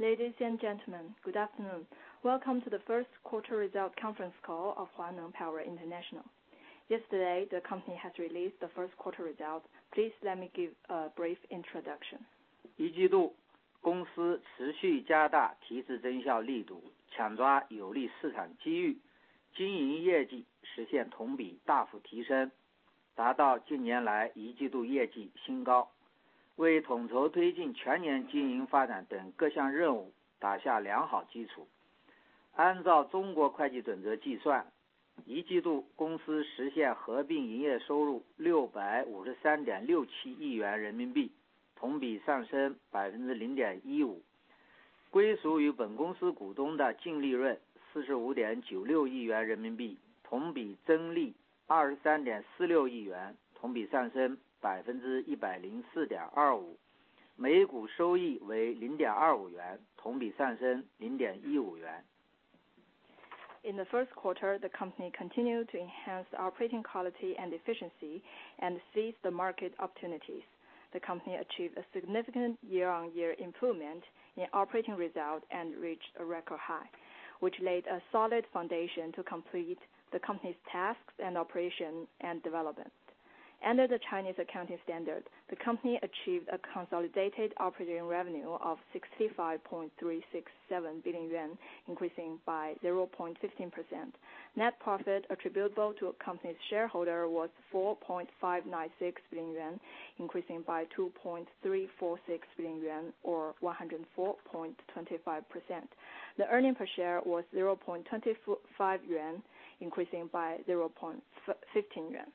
Ladies and gentlemen, good afternoon. Welcome to the first quarter result conference call of Huaneng Power International. Yesterday, the company has released the first quarter results. Please let me give a brief introduction. In the first quarter, the company continued to enhance operating quality and efficiency and seized the market opportunities. The company achieved a significant year-on-year improvement in operating results and reached a record high, which laid a solid foundation to complete the company's tasks and operation and development. Under the Chinese accounting standard, the company achieved a consolidated operating revenue of 65.367 billion yuan, increasing by 0.15%. Net profit attributable to a company's shareholder was 4.596 billion yuan, increasing by 2.346 billion yuan or 104.25%. The earnings per share was 0.25 yuan, increasing by 0.15 yuan.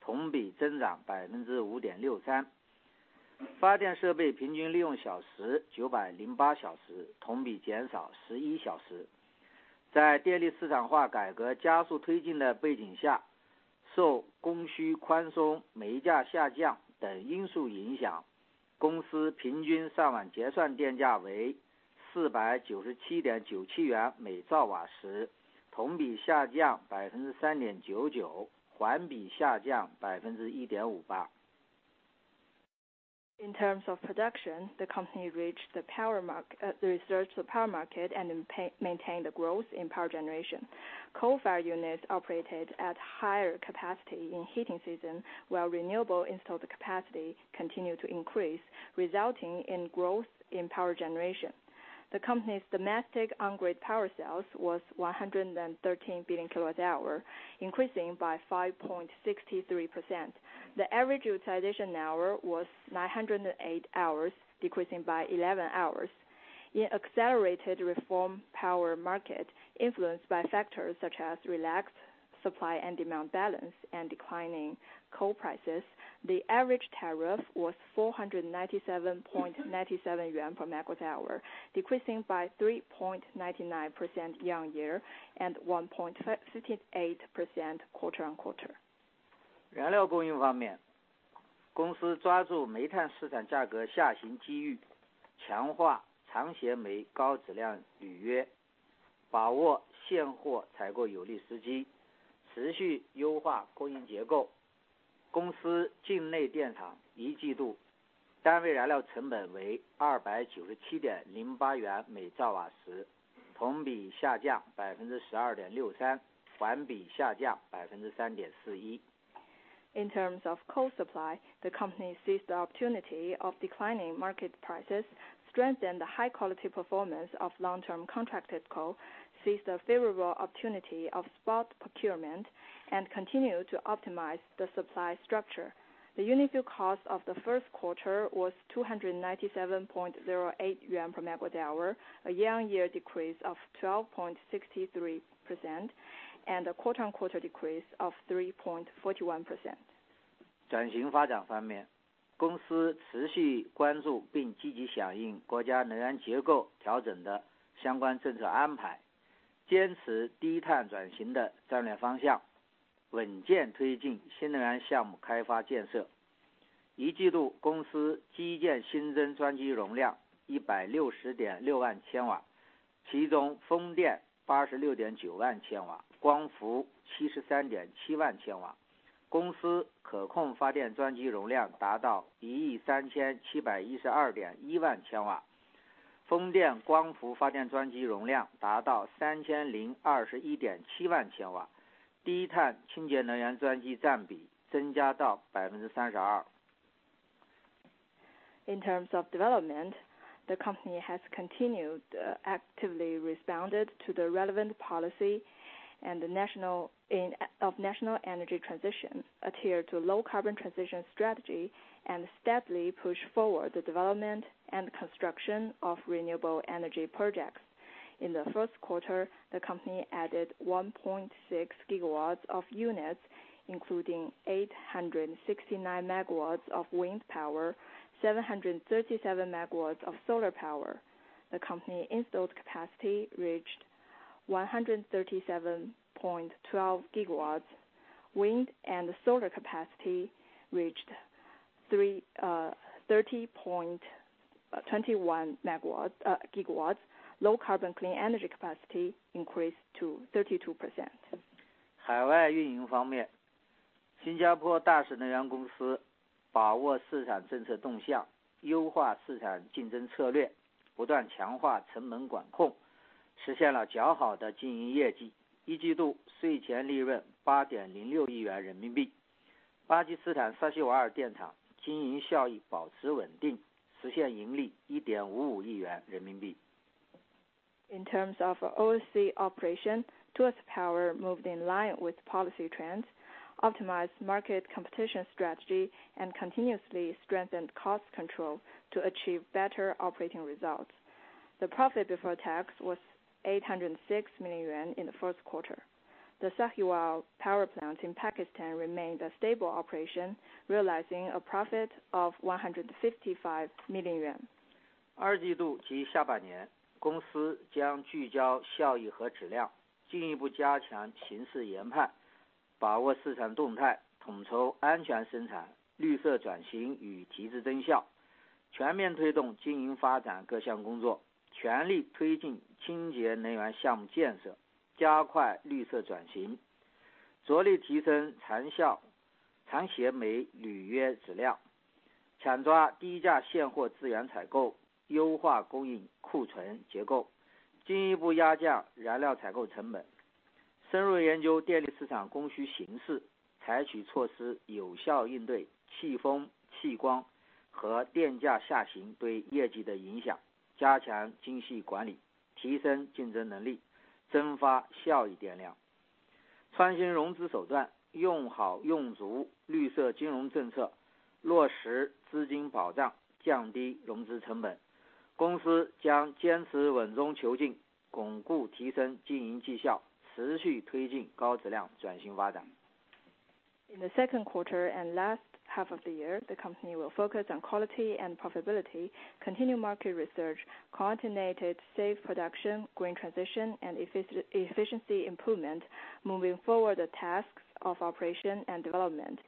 CNY每兆瓦时，同比下降3.99%，环比下降1.58%。In terms of production, the company reached the power mark, researched the power market and maintained the growth in power generation. Coal-fired units operated at higher capacity in heating season, while renewable installed capacity continued to increase, resulting in growth in power generation. The company's domestic on-grid power sales was 113 billion kWh, increasing by 5.63%. The average utilization hour was 908 hours, decreasing by 11 hours. In accelerated reform power market, influenced by factors such as relaxed supply and demand balance and declining coal prices, the average tariff was 497.97 yuan per MWh, decreasing by 3.99% year-on-year and 1.58% quarter-on-quarter. 燃料供应方面，公司抓住煤炭市场价格下行情遇，强化长协煤高品质履约，把握现货采购有利时机，持续优化供应结构。公司境内电厂一季度单位燃料成本为297.08元每兆瓦时，同比下降12.63%，环比下降3.41%。In terms of coal supply, the company seized the opportunity of declining market prices, strengthened the high-quality performance of long-term contracted coal, seized a favorable opportunity of spot procurement, and continued to optimize the supply structure. The unit fuel cost of the first quarter was 297.08 yuan per MWh, a year-on-year decrease of 12.63%, and a quarter-on-quarter decrease of 3.41%. In terms of development, the company has continued actively responded to the relevant policy and the national initiative of national energy transition, adhered to low carbon transition strategy, and steadily pushed forward the development and construction of renewable energy projects. In the first quarter, the company added 1.6 gigawatts of units, including 869 megawatts of wind power, 737 megawatts of solar power. The company installed capacity reached 137.12 gigawatts. Wind and solar capacity reached thirty point twenty-one gigawatts, low carbon clean energy capacity increased to 32%. 海外运营方面，新加坡图亚士电力公司把握市场政策动向，优化市场竞争策略，不断强化成本管控，实现了较好的经营业绩。一季度税前利润8.06亿元人民币。巴基斯坦萨希瓦尔电厂经营效益保持稳定，实现盈利1.55亿元人民币。In terms of Overseas operation, Tuas Power moved in line with policy trends, optimize market competition strategy, and continuously strengthened cost control to achieve better operating results. The profit before tax was 806 million yuan in the first quarter. The Sahiwal power plant in Pakistan remained a stable operation, realizing a profit of 155 million yuan. In the second quarter and last half of the year, the company will focus on quality and profitability, continue market research, continue safe production, green transition, and efficiency improvement, moving forward the tasks of operation and development.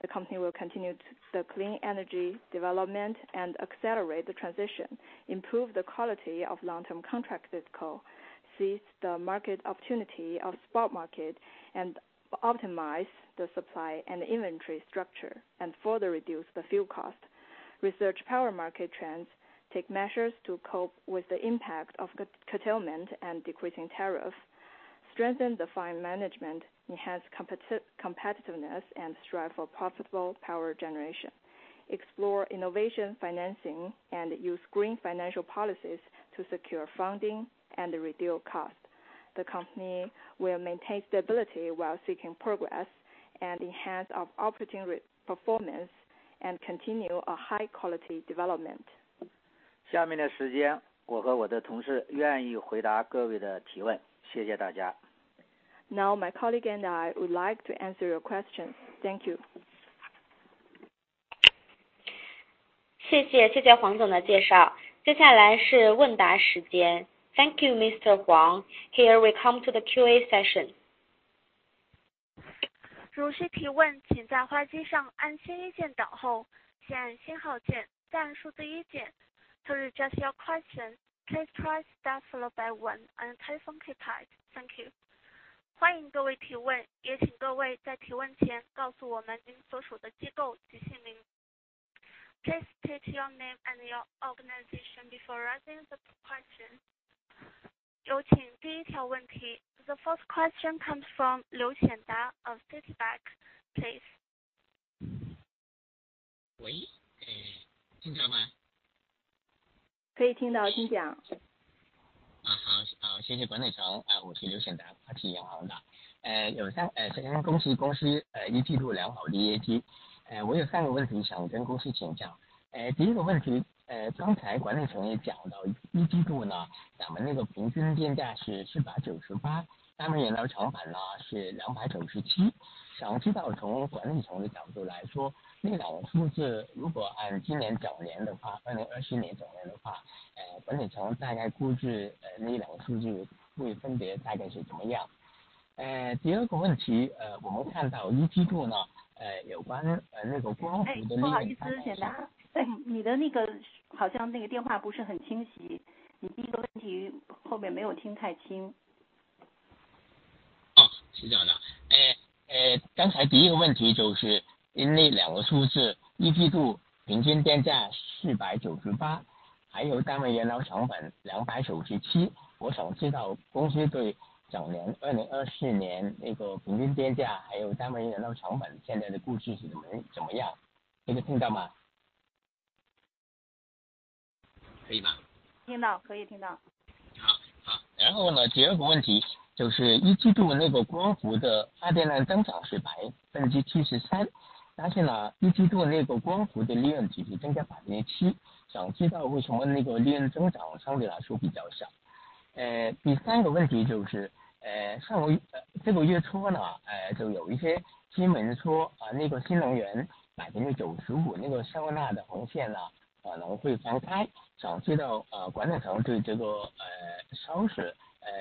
The company will continue the clean energy development and accelerate the transition, improve the quality of long-term contracted coal, seize the market opportunity of spot market, and optimize the supply and inventory structure and further reduce the fuel cost. Research power market trends, take measures to cope with the impact of curtailment and decreasing tariff, strengthen the fine management, enhance competitiveness, and strive for profitable power generation. Explore innovation, financing, and use green financial policies to secure funding and reduce cost. The company will maintain stability while seeking progress and enhancement of operating performance and continue a high quality development. 下面的时间，我和我的同事愿意回答各位的提问，谢谢大家！ Now my colleague and I would like to answer your questions. Thank you. 谢谢，谢谢黄总的介绍。Thank you, Mr. Huang. Here we come to the QA session。接下来是问答时间。If you wish to ask a question, please press star one on your telephone keypad to wait. First press the star key, then press the number one key。To ask a question, please press star followed by one on your telephone keypad。Thank you。欢迎各位提问，也请各位在提问前告诉我们您所属的机构及姓名。Please state your name and your organization before asking the question。有请第一条问题。The first question comes from Liu Qianda of Citibank。Please。喂，听得到吗？ 可以听到，请讲。Thank you, management. I am Liu Qianda from Citi. First, congratulations to the company on the good first quarter performance. I have three questions I want to ask the company. First question: As management just mentioned, in the first quarter, our average electricity price was CNY 498, and the unit fuel cost was CNY 297. From management's perspective, if those two figures are for the whole year this year, 2024 whole year, what does management roughly estimate those two data to be respectively? Second question: We see that in the first quarter, regarding that photovoltaic - 不好意思，浅达，你的那个好像那个电话不是很清晰，你第一个问题后面没有听太清。是这样 的，刚才第一个问题是，因为那两个数字，一季度平均电价 498 CNY，还有单位燃料成本 297 CNY。我想知道公司对全年，2024 年这个平均电价，还有单位燃料成本现在的估计是怎么样的？这个听到吗？可以吗？ 听到，可以听到。好，好，然后呢，第二个问题是一季度那个光伏的发电量增长是73%。... 但是呢，一季度的那个光伏的利润只是增加7%，想知道为什么那个利润增长相对来说比较小。第三个问题就是，上周，这个月初呢，就有一些新闻说，那个新能源95%，那个消纳的红线呢，可能会放开，想知道，管理层对这个，消息，对我们公司的发呢，有什么，意见，谢谢。I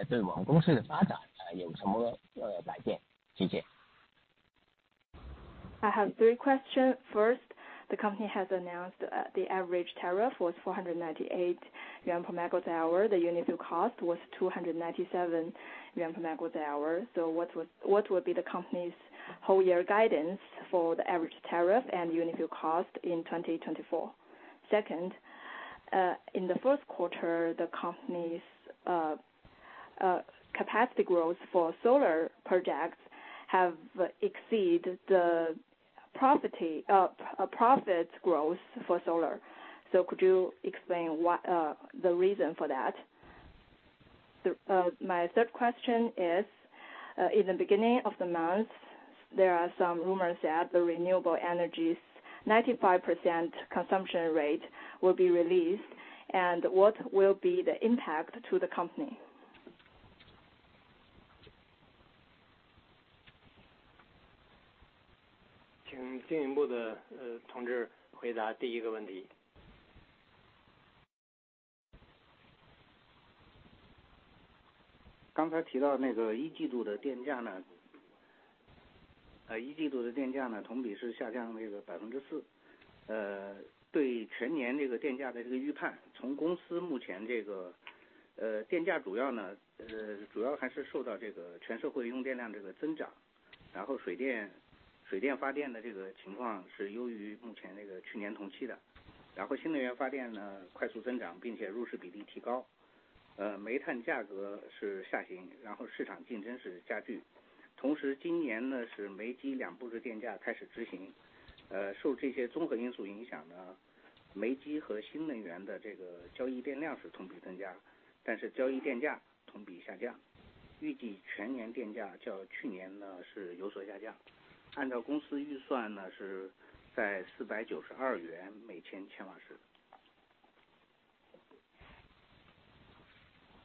have three questions. First, the company has announced the average tariff was 498 yuan per MWh. The unit fuel cost was 297 yuan per MWh. So what was, what would be the company's whole year guidance for the average tariff and unit fuel cost in 2024? Second, in the first quarter, the company's capacity growth for solar projects have exceed the profit growth for solar. So could you explain what the reason for that? My third question is, in the beginning of the month, there are some rumors that the renewable energies 95% consumption rate will be released, and what will be the impact to the company? 请经营部的同志回答第一个问题。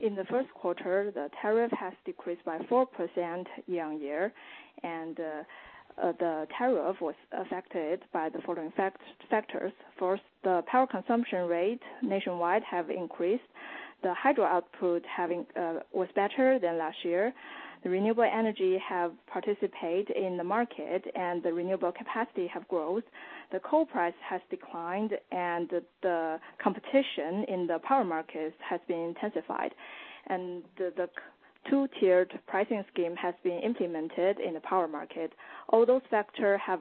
In the first quarter, the tariff has decreased by 4% year-on-year, and the tariff was affected by the following factors. First, the power consumption rate nationwide has increased. The hydro output was better than last year. The renewable energy has participated in the market and the renewable capacity has grown, the coal price has declined and the competition in the power markets has been intensified, and the two-tiered pricing scheme has been implemented in the power market. All those factors have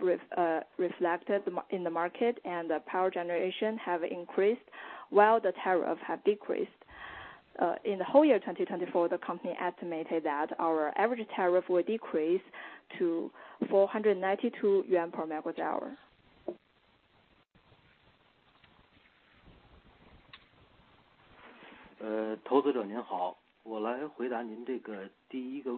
reflected in the market, and the power generation has increased while the tariff has decreased, in the whole year 2024, the company estimated that our average tariff will decrease to 492 yuan per megawatt-hour. 投资者您好，我来回答您这个第一个...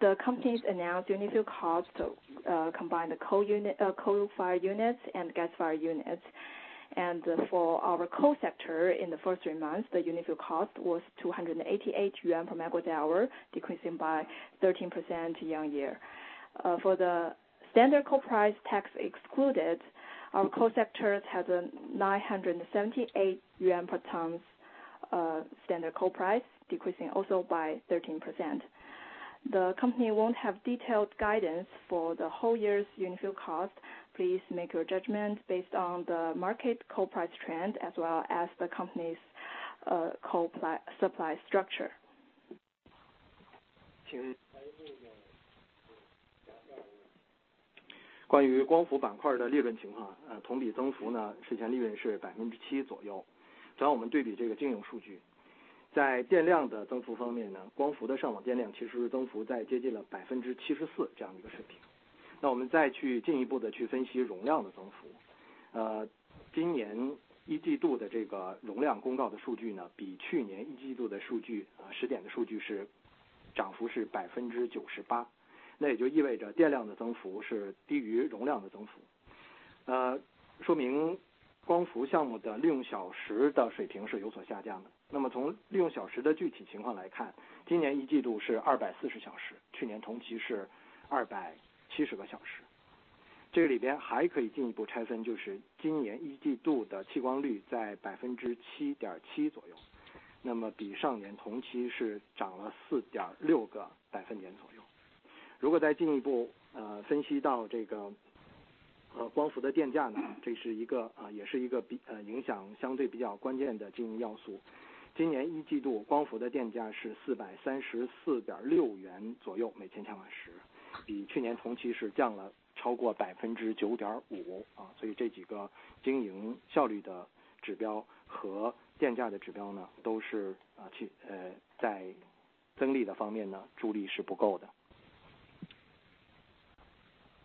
The company's announced unit fuel cost combined the coal unit coal-fired units and gas-fired units. For our coal sector, in the first three months, the unit fuel cost was 288 yuan per megawatt-hour, decreasing by 13% year-on-year. For the standard coal price tax excluded, our coal sectors had a 978 yuan per ton standard coal price, decreasing also by 13%. The company won't have detailed guidance for the whole year's unit fuel cost. Please make your judgment based on the market coal price trend, as well as the company's coal plan-supply structure.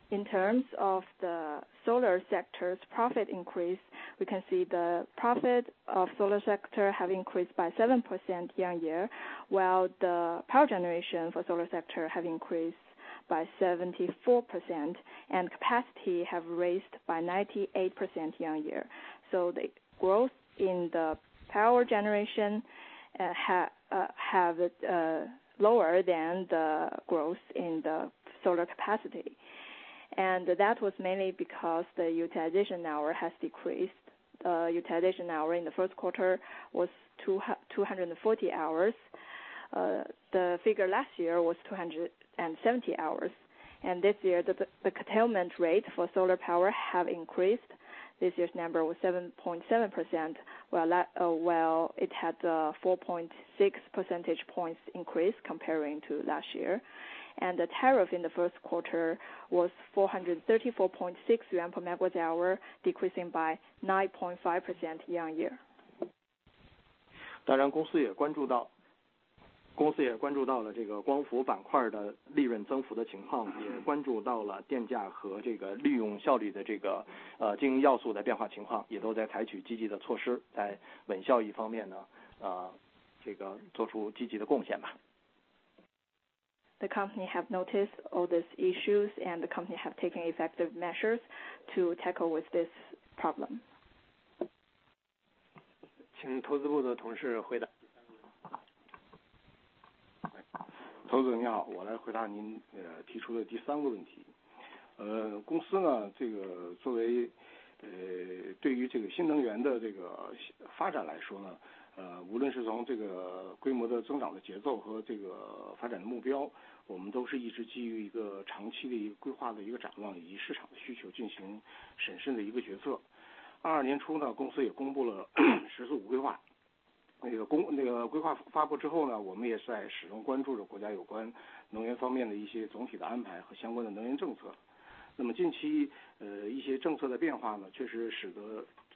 In terms of the solar sector's profit increase, we can see the profit of solar sector have increased by 7% year-on-year, while the power generation for solar sector have increased by 74% and capacity have raised by 98% year-on-year. So the growth in the power generation have lower than the growth in the solar capacity, and that was mainly because the utilization hour has decreased. The utilization hour in the first quarter was 240 hours. The figure last year was 270 hours, and this year the curtailment rate for solar power have increased. This year's number was 7.7%, while it had a 4.6 percentage points increase comparing to last year, and the tariff in the first quarter was 434.6 yuan per megawatt hour, decreasing by 9.5% year-on-year. 当然，公司也注意到，公司也注意到了这个光伏板块的利润增幅的情况，也注意到了电价和这个利用效率的这个，经营要素的变化情况，也都在采取积极的措施，在稳效益方面呢，这个做出积极的贡献吧。The company have noticed all these issues and the company have taken effective measures to tackle with this problem. 请投资部的同事回答。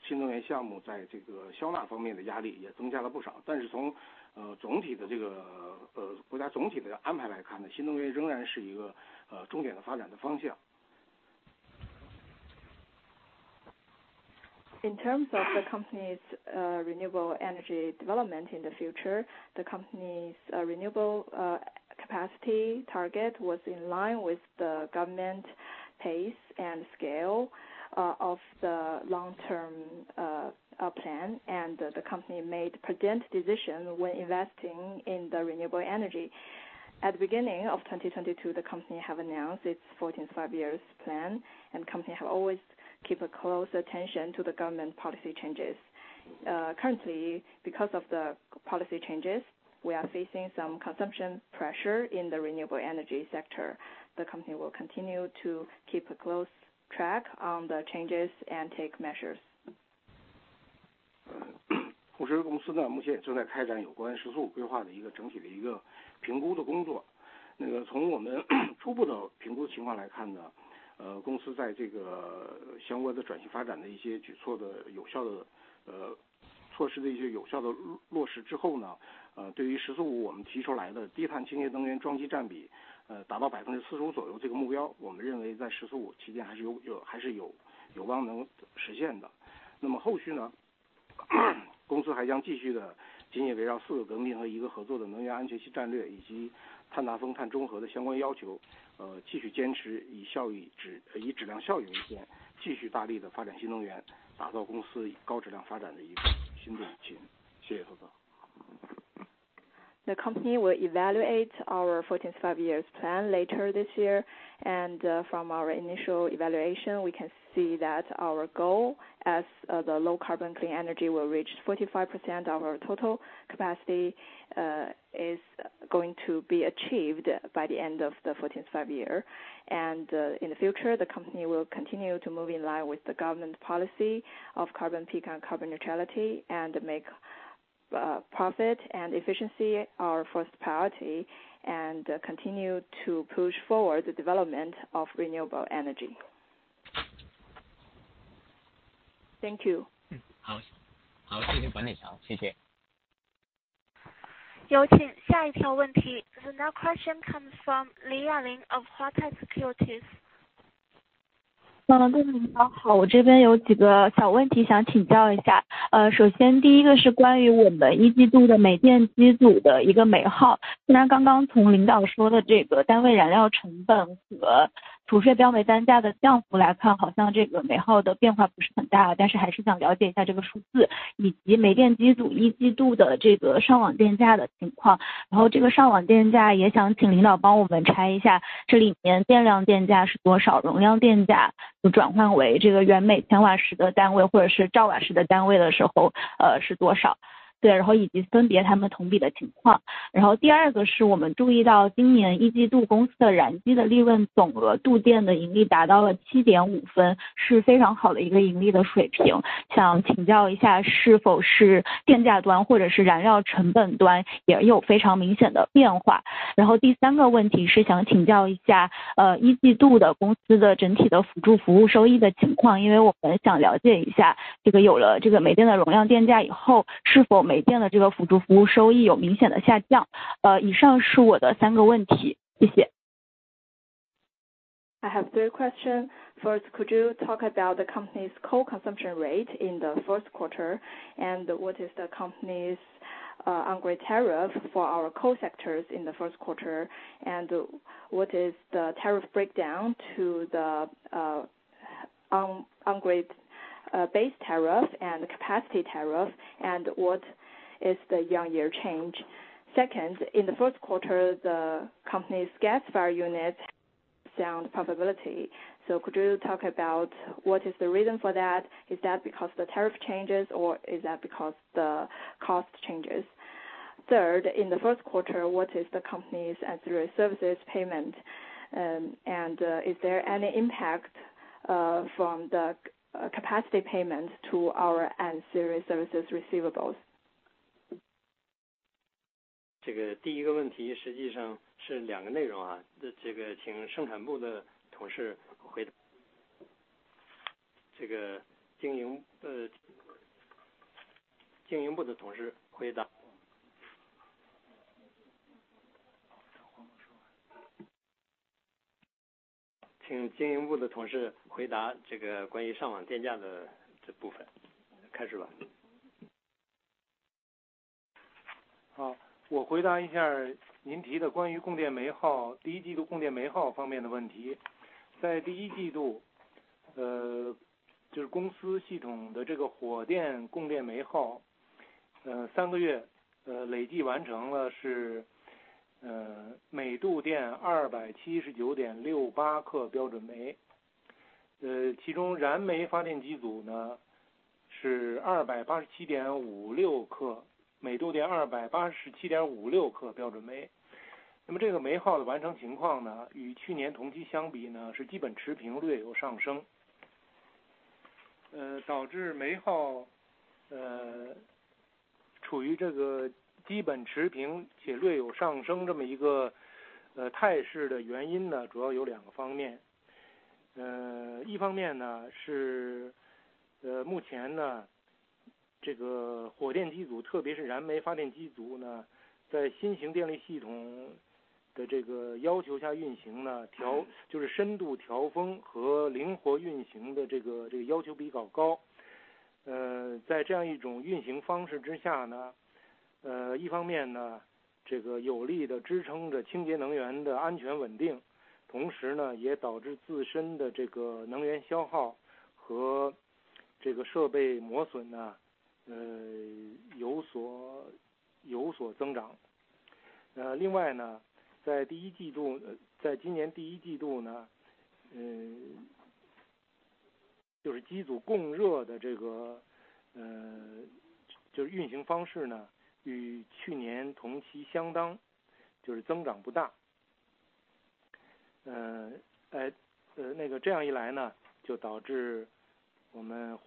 In terms of the company's renewable energy development in the future, the company's renewable capacity target was in line with the government pace and scale of the long term plan, and the company made prudent decision when investing in the renewable energy. At the beginning of 2022, the company have announced its Fourteenth Five-Year Plan, and company have always keep a close attention to the government policy changes. Currently, because of the policy changes, we are facing some consumption pressure in the renewable energy sector. The company will continue to keep a close track on the changes and take measures. The company will evaluate our Fourteenth Five-Year Plan later this year, and from our initial evaluation, we can see that our goal as the low carbon clean energy will reach 45% of our total capacity is going to be achieved by the end of the Fourteenth Five-Year. And in the future, the company will continue to move in line with the government policy of carbon peak and carbon neutrality, and make profit and efficiency our first priority, and continue to push forward the development of renewable energy. Thank you. 好，好，谢谢管理层，谢谢。有请下一条问题。The next question comes from Li Yaling of Huatai Securities. I have three questions. First, could you talk about the company's coal consumption rate in the first quarter, and what is the company's on-grid tariff for our coal sectors in the first quarter? And what is the tariff breakdown to the on-grid base tariff and capacity tariff, and what is the year-on-year change? Second, in the first quarter, the company's gas-fired unit sound profitability. So could you talk about what is the reason for that? Is that because the tariff changes, or is that because the cost changes? Third, in the first quarter, what is the company's ancillary services payment, and is there any impact from the capacity payment to our ancillary services receivables? Please,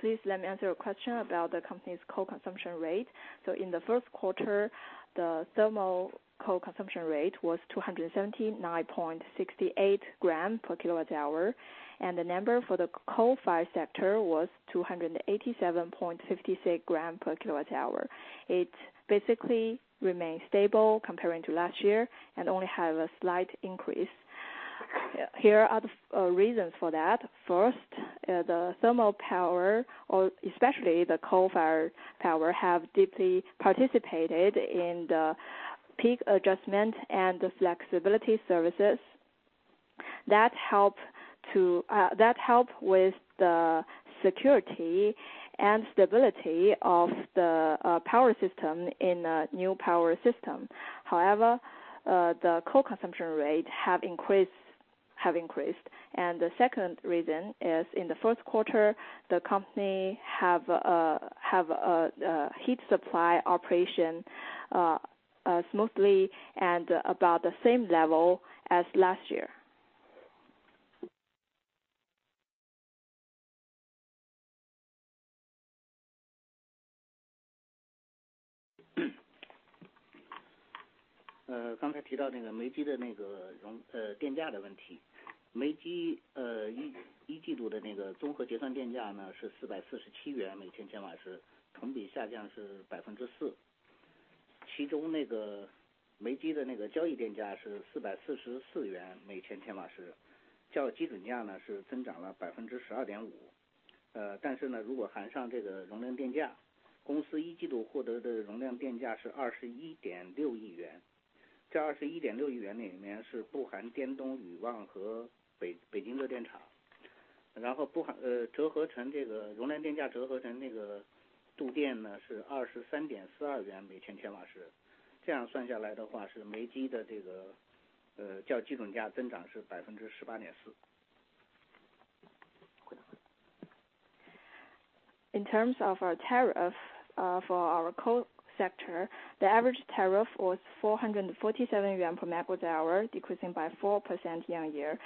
please let me answer your question about the company's coal consumption rate. So in the first quarter, the thermal coal consumption rate was 279.68 grams per kilowatt hour, and the number for the coal fire sector was 287.56 grams per kilowatt hour. It basically remained stable comparing to last year and only have a slight increase. Here are the reasons for that. First, the thermal power, or especially the coal fire power, have deeply participated in the peak adjustment and the flexibility services. That help to, that help with the security and stability of the power system in a new power system. However, the coal consumption rate have increased, have increased. The second reason is, in the first quarter, the company have heat supply operation smoothly and about the same level as last year. 刚才提到那个煤机的那个容，电价的问题。煤机，一季度那个综合结算电价呢是 CNY 447/千瓦时，同比下降是 4%。其中那个煤机的那个交易电价是 CNY 444/千瓦时，较基准价呢是增长了 12.5%。但是呢，如果含上这个容量电价，公司一季度获得的容量电价是 CNY 21.6 亿元，这 21.6 亿元里面是不含电东、吕旺和北京热电厂，然后不含，折合成这个，容量电价折合成那个度电呢是 CNY 23.42/千瓦时。这样算下来的话，是煤机的这个，较基准价增长是 18.4%。In terms of our tariff, for our coal sector, the average tariff was 447 yuan per MWh, decreasing by 4% year-on-year.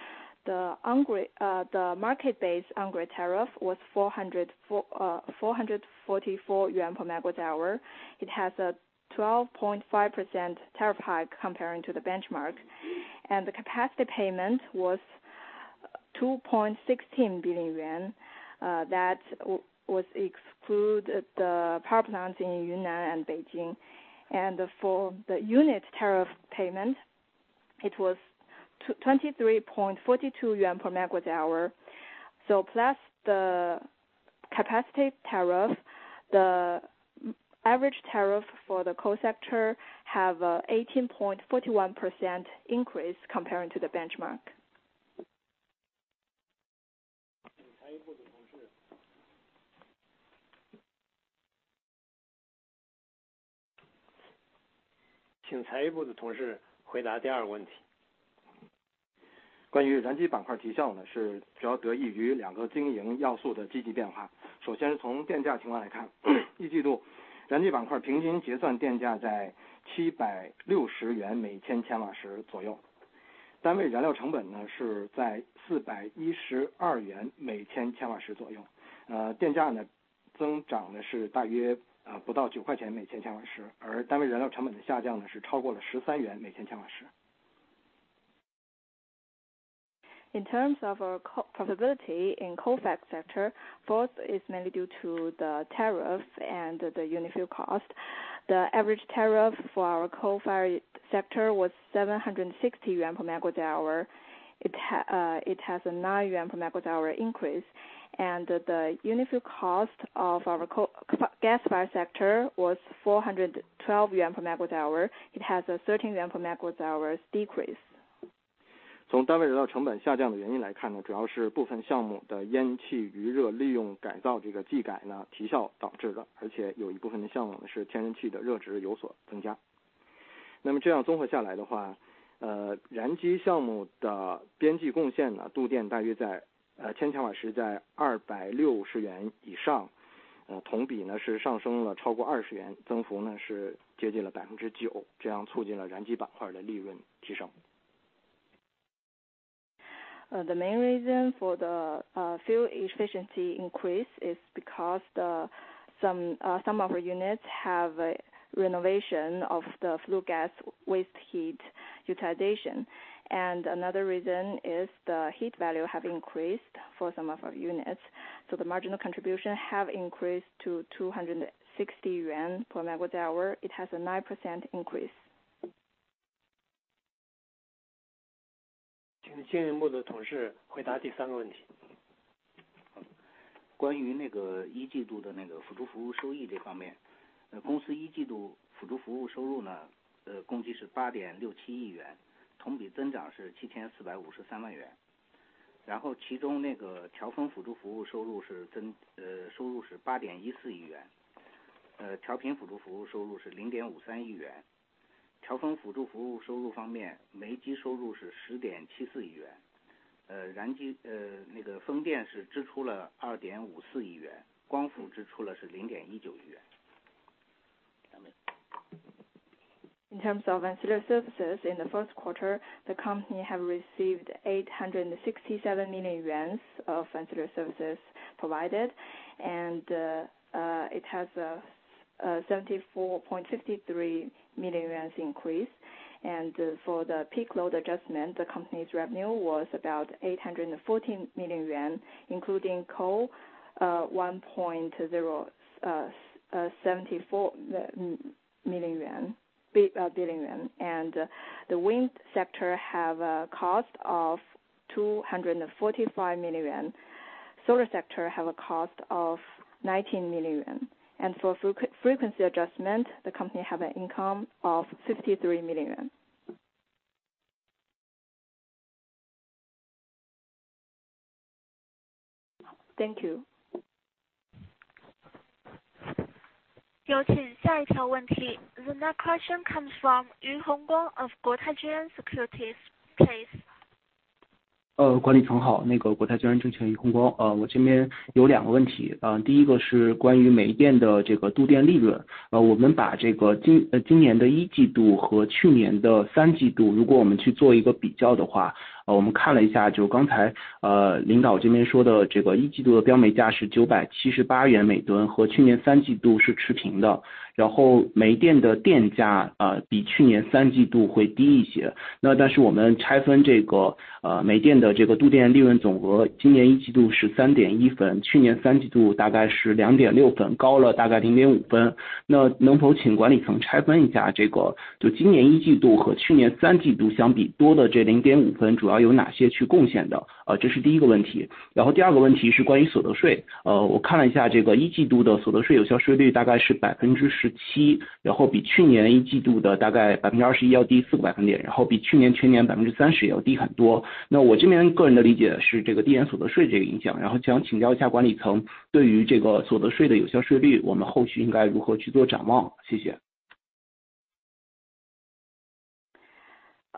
The on-grid, the market-based on-grid tariff was 444 yuan per MWh. It has a 12.5% tariff hike comparing to the benchmark, and the capacity payment was 2.16 billion yuan, that was exclude the power plants in Yunnan and Beijing. And for the unit tariff payment, it was 23.42 yuan per MWh. So plus the capacity tariff, the average tariff for the coal sector have a 18.41% increase comparing to the benchmark. 请财务部的同事。请财务部的同事回答第二个问题。关于燃机板块提效呢，是主要得益于两个经营要素的积极变化。首先从电价情况来看，一季度燃机板块平均结算电价在CNY 760每千瓦时左右，单位燃料成本呢，是在CNY 412每千瓦时左右。电价呢，增长呢，是大约，不到CNY 9每千瓦时，而单位燃料成本的下降呢，是超过了CNY 13每千瓦时。In terms of our coal profitability in coal sector, growth is mainly due to the tariff and the unit fuel cost. The average tariff for our coal-fired sector was 760 yuan per MWh. It has a 9 yuan per MWh increase, and the unit fuel cost of our coal- and gas-fired sector was 412 yuan per MWh. It has a 13 yuan per MWh decrease. 从单位燃料成本下降的原因来看呢，主要是一部分项目的烟气余热利用改造，这个技改呢提效导致的，而且有一部分的项目呢是天然气的热值有所增加。那么这样综合下来的话，燃机项目的边际贡献呢，度电大约在，kWh 在 CNY 260 以上，同比呢是上升了超过 CNY 20，增幅呢是接近了 9%，这样促进了燃机板块的利润提升。The main reason for the fuel efficiency increase is because some of our units have a renovation of the flue gas waste heat utilization. And another reason is the heat value have increased for some of our units, so the marginal contribution have increased to 260 yuan per megawatt hour. It has a 9% increase. 请金融部的同事回答第三个问题。关于那个一季度的那个辅助服务收益这方面，公司一季度辅助服务收入呢，共计是CNY 867 million，同比增长是CNY 74.53 million。然后其中那个调峰辅助服务收入是，收入是CNY 814 million，调频辅助服务收入是CNY 53 million。调峰辅助服务收入方面，煤机收入是CNY 1.074 billion，燃机，那个风电是支出了CNY 254 million，光伏支出的是CNY 19 million。In terms of ancillary services, in the first quarter, the company have received 867 million yuan of ancillary services provided, and, it has, 74.53 million yuan increase. And for the peak load adjustment, the company's revenue was about 814 million yuan, including coal, 1.074 billion yuan. And the wind sector have a cost of 245 million. Solar sector have a cost of 19 million. And for frequency adjustment, the company have an income of 53 million. Thank you. 有请下一条问题。The next question comes from Yu Hongguang of Guotai Junan Securities. Please.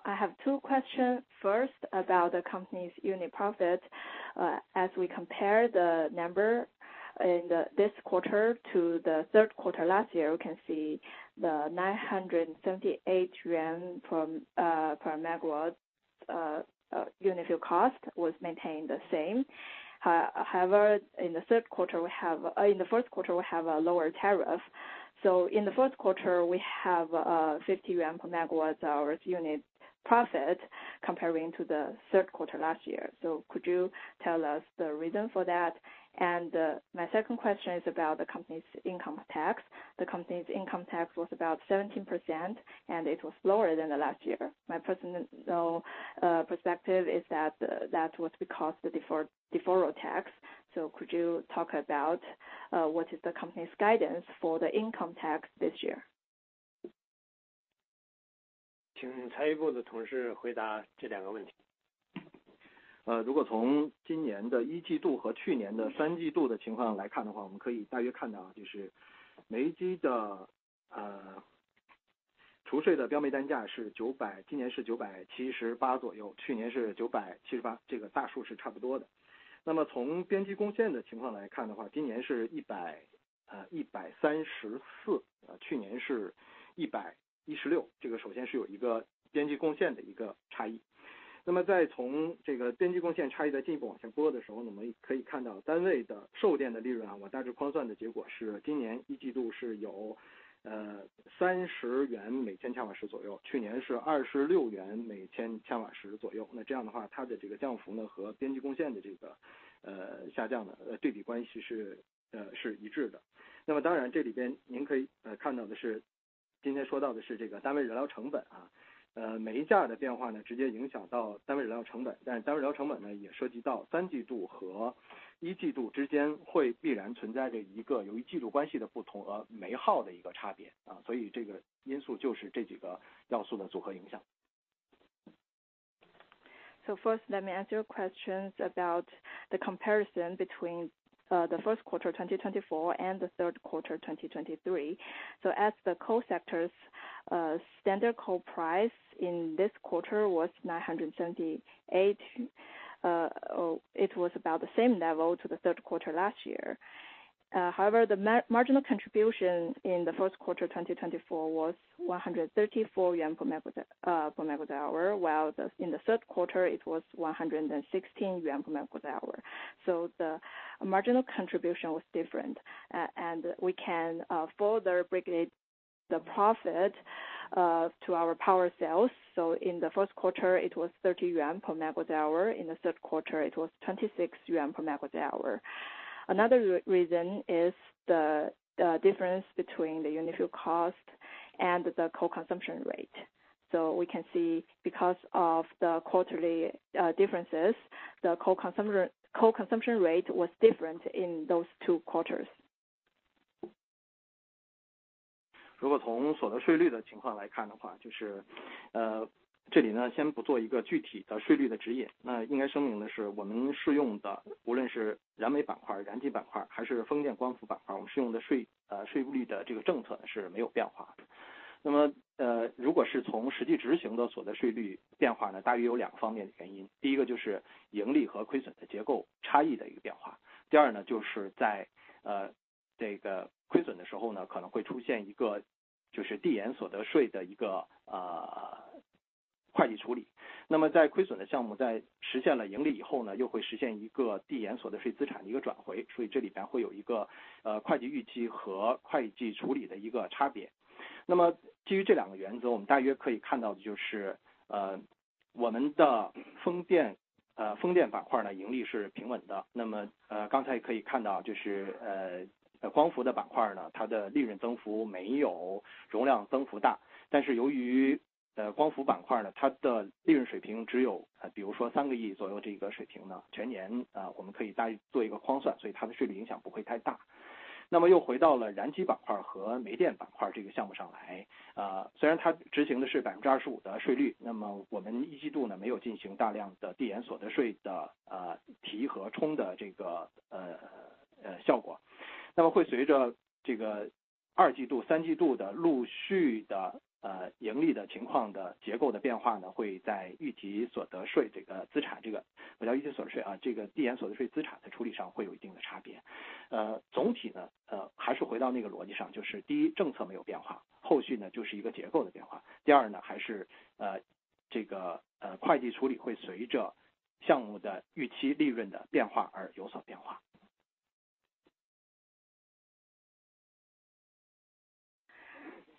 I have two questions. First, about the company's unit profit. As we compare the number in this quarter to the third quarter last year, we can see the 978 yuan from per megawatt unit fuel cost was maintained the same. However, in the third quarter we have-- in the first quarter, we have a lower tariff. So in the first quarter, we have 50 yuan per megawatt hours unit profit comparing to the third quarter last year. So could you tell us the reason for that? And my second question is about the company's income tax. The company's income tax was about 17% and it was lower than last year. My personal perspective is that that was because the deferred tax. Could you talk about what is the company's guidance for the income tax this year? So first, let me answer your questions about the comparison between the first quarter 2024 and the third quarter 2023. So as the coastal standard coal price in this quarter was 978, it was about the same level to the third quarter last year. However, the marginal contribution in the first quarter 2024 was 134 yuan per MWh, while in the third quarter it was 116 yuan per MWh. So the marginal contribution was different, and we can further break it, the profit to our power sales. So in the first quarter, it was 30 yuan per MWh; in the third quarter, it was 26 yuan per MWh. Another reason is the difference between the unit fuel cost and the coal consumption rate. So we can see because of the quarterly differences, the coal consumption rate was different in those two quarters.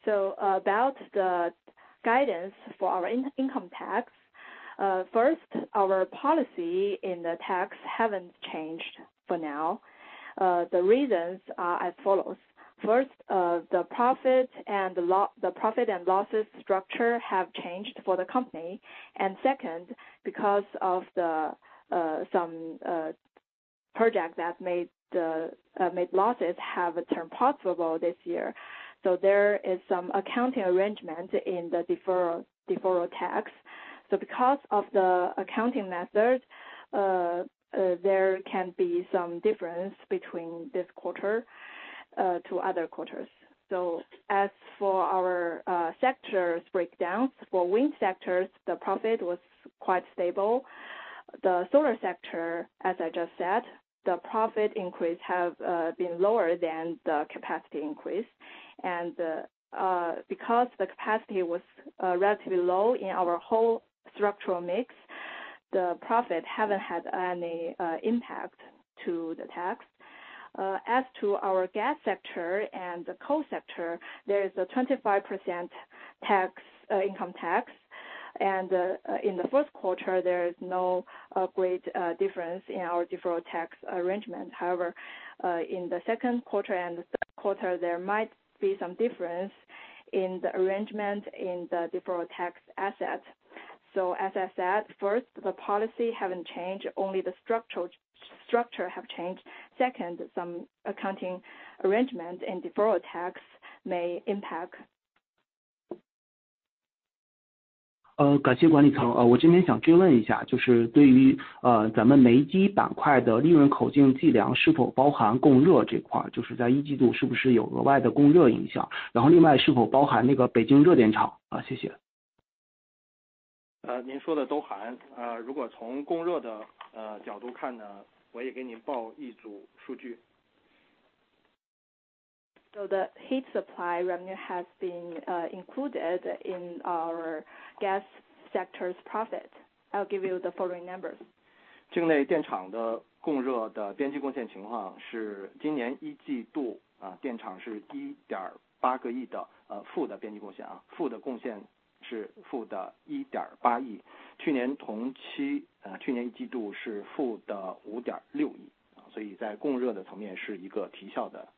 So, about the guidance for our income tax, first, our policy in the tax haven't changed for now, the reasons are as follows: first, the profit and loss, the profit and losses structure have changed for the company; and second, because of some projects that made losses have turned profitable this year. So there is some accounting arrangement in the deferred tax. Because of the accounting methods, there can be some difference between this quarter to other quarters. As for our sectors breakdowns, for wind sectors, the profit was quite stable. The solar sector, as I just said, the profit increase have been lower than the capacity increase, and because the capacity was relatively low in our whole structural mix, the profit haven't had any impact to the tax. As to our gas sector and the coal sector, there is a 25% income tax, and in the first quarter, there is no great difference in our deferred tax arrangement. However, in the second quarter and the third quarter, there might be some difference in the arrangement in the deferred tax assets. As I said, first, the policy haven't changed, only the structural structure have changed. Second, some accounting arrangements and deferred tax may impact. So the heat supply revenue has been included in our gas sector's profit. I'll give you the following numbers. 境内电厂的供热的边际贡献情况是今年一季度，电厂是CNY 1.8亿的，负的边际贡献，负的贡献是负的CNY 1.8亿，去年同期，去年一季度是负的CNY 5.6亿。所以在供热的层面是一个提效的状态。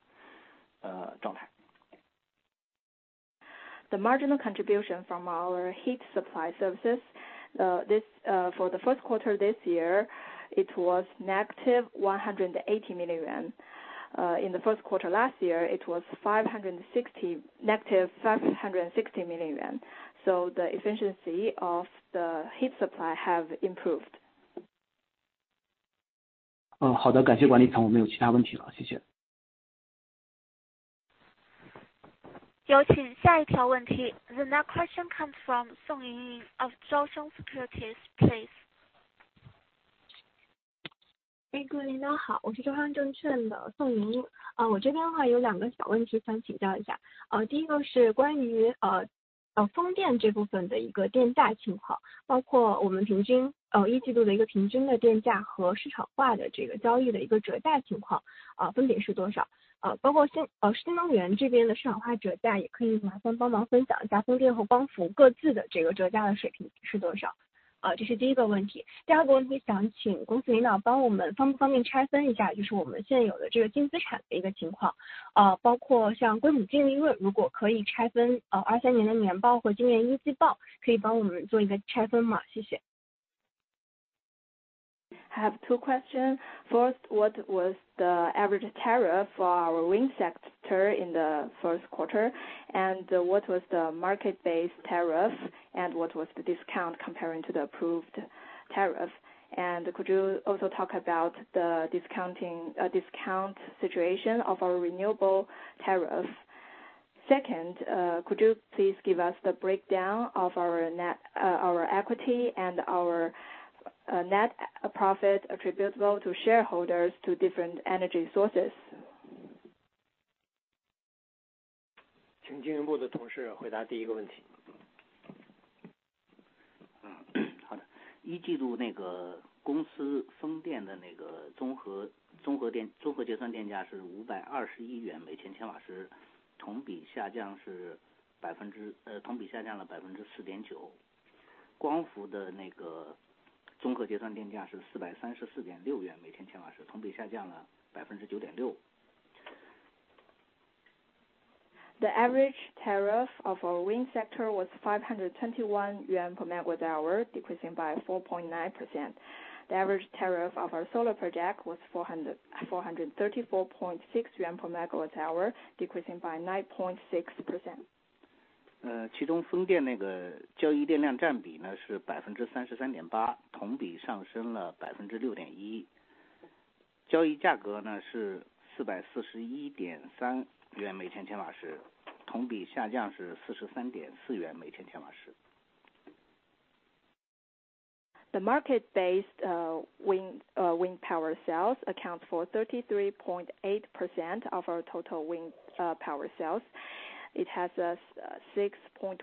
I have two questions. First, what was the average tariff for our wind sector in the first quarter? What was the market-based tariff? What was the discount comparing to the approved tariff? Could you also talk about the discounting, discount situation of our renewable tariff? Second, could you please give us the breakdown of our net, our equity and our, net profit attributable to shareholders to different energy sources? 请经营部的同事回答第一个问题。好的。一季度公司风电的综合结算电价是CNY 521/MWh，同比下降了4.9%。光伏的综合结算电价是CNY 434.6/MWh，同比下降了9.6%。The average tariff of our wind sector was 521 yuan per MWh, decreasing by 4.9%. The average tariff of our solar project was 434.6 yuan per MWh, decreasing by 9.6%. …，其中风电那个交易电量占比呢，是33.8%，同比上升了6.1%。交易价格呢，是441.3 CNY每千瓦时，同比下降是43.4 CNY每千瓦时。The market based wind wind power sales account for 33.8% of our total wind power sales. It has a 6.1%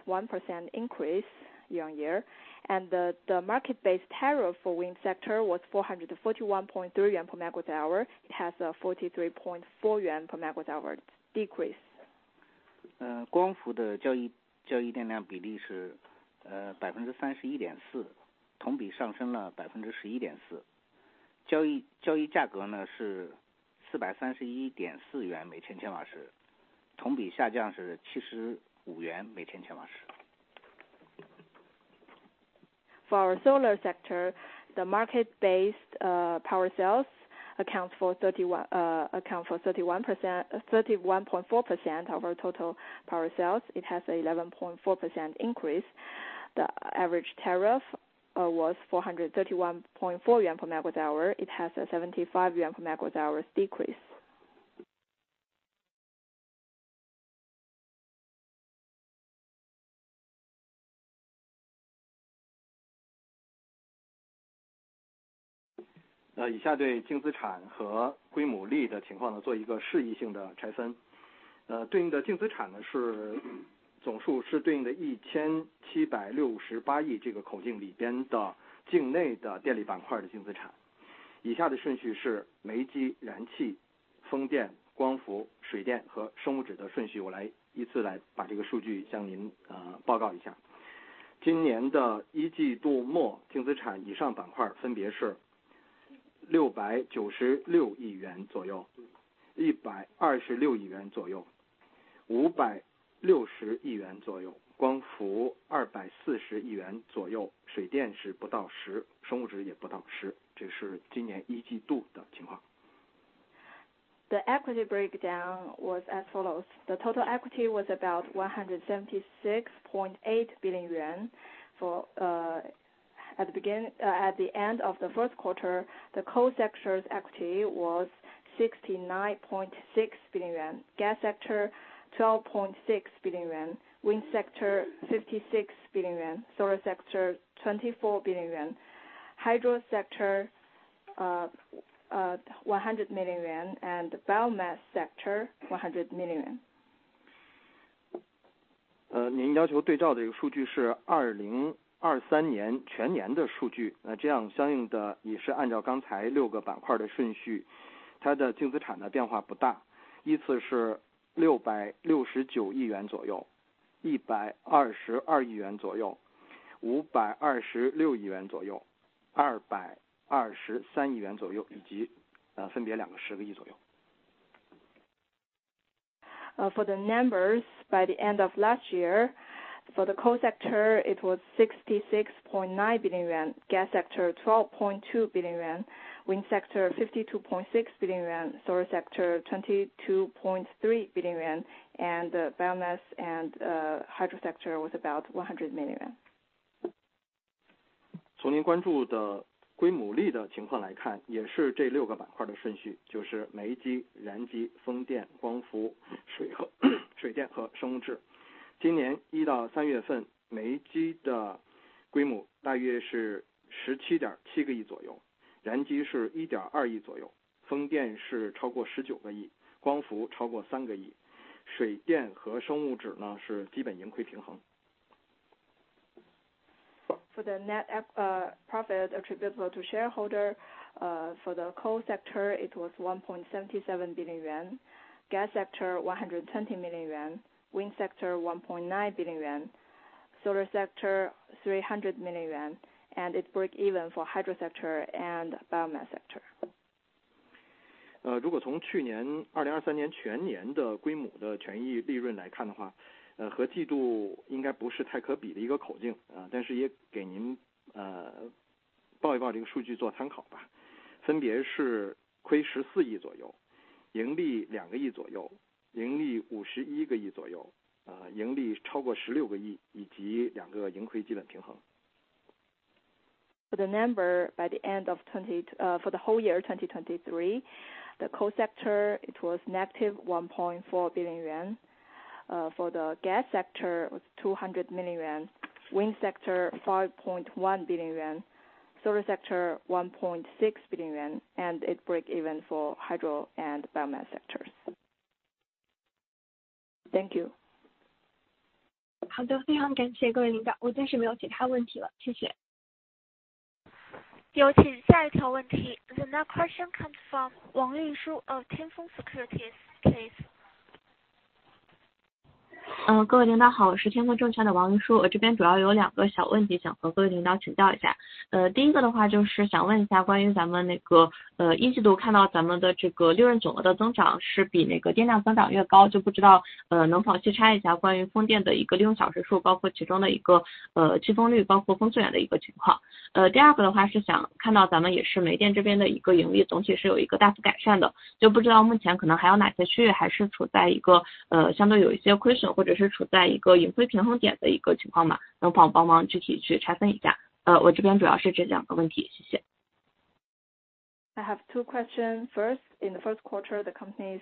increase year-on-year, and the the market based tariff for wind sector was 441.3 yuan per megawatt hour, it has a 43.4 yuan per megawatt hour decrease. 光伏的交易，交易电量比例是31.4%，同比上升了11.4%。交易价格呢，是CNY 431.4每千瓦时，同比下降CNY 75每千瓦时。For solar sector, the market based power sales accounts for 31.4% of our total power sales, it has 11.4% increase. The average tariff was 431.4 yuan per MWh, it has a 75 yuan per MWh decrease. The equity breakdown was as follows: The total equity was about 176.8 billion. At the end of the first quarter, the coal sector's equity was 69.6 billion yuan; gas sector, 12.6 billion yuan; wind sector, 56 billion yuan; solar sector, 24 billion yuan; hydro sector, 100 million yuan; and biomass sector, 100 million yuan. 您要求对照的一个数据是2023年全年的数据，那样相应的也是按照刚才六个板块的顺序，它的净资产的变化不大，依次是669亿元左右，122亿元左右，526亿元左右，223亿元左右，以及分别20亿元左右。For the numbers by the end of last year, for the coal sector, it was 66.9 billion yuan. Gas sector, 12.2 billion yuan. Wind sector, 52.6 billion yuan. Solar sector, 22.3 billion yuan. And biomass and hydro sector was about 100 million yuan. 从您关注规模利润的情况来看，也是这6个板块的顺序，就是煤机、燃机、风电、光伏、水电和生物质。今年1到3月份，煤机的规模大约是17.7个亿左右，燃机是1.2亿左右，风电是超过19个亿，光伏超过3个亿，水电和生物质呢，是基本盈亏平衡。For the net profit attributable to shareholder for the coal sector, it was CNY 1.77 billion. Gas sector, 120 million yuan. Wind sector, 1.9 billion yuan. Solar sector, 300 million yuan. And it break even for hydro sector and biomass sector. 如果从去年2023年全年的规模的权益利润来看的话，和季度应该不是太可比的一个口径，但是也给您报一报这个数据做参考吧。分别是亏CNY 14亿左右，盈利CNY 2个亿左右，盈利CNY 51个亿左右，盈利超过CNY 16个亿，以及两个盈亏基本平衡。For the number by the end of 20, for the whole year 2023, the coal sector, it was -1.4 billion yuan; for the gas sector, was 200 million yuan; wind sector, 5.1 billion yuan; solar sector, 1.6 billion yuan; and it break even for hydro and biomass sectors. Thank you. 好的，非常感谢各位领导，我暂时没有其他问题了，谢谢。有请下一条问题。The next question comes from Wang Lishu, Tianfeng Securities, please. 各位领导好，我是天风证券的王丽抒。我这边主要有两个小问题想和各位领导请教一下。第一个的话就是想问一下，关于咱们那个，一季度看到咱们的这个利润总额的增长是比那个电量增长要高，就不知道，能否细拆一下关于风电的一个利用小时数，包括其中的一个，弃风率，包括风速远的一个情况。... 第二个的话是想看到咱们也是煤电这边的一个盈利总体是有一个大幅改善的，就不知道目前可能还有哪些区域还是处在一个，相对有一些亏损，或者是处在一个盈亏平衡点的一个情况吗？能帮忙具体去拆分一下。我这边主要是这两个问题，谢谢。I have two questions. First, in the first quarter, the company's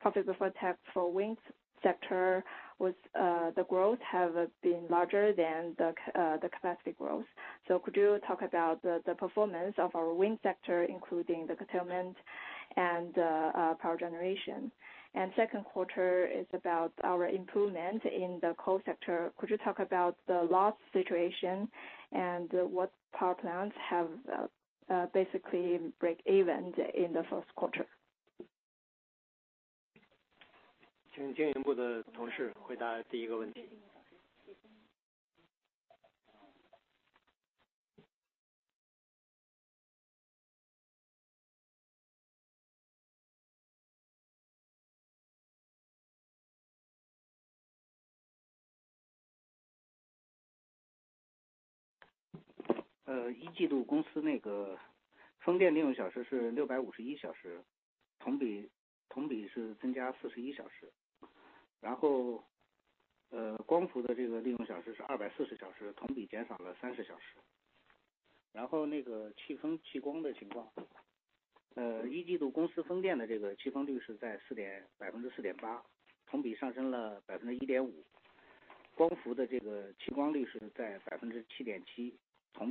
profit before tax for wind sector was, the growth have been larger than the, the capacity growth. So could you talk about the performance of our wind sector, including the curtailment and, power generation? And second question is about our improvement in the coal sector, could you talk about the loss situation and what power plants have, basically break even in the first quarter? 请经营部的同事回答第一个问题。The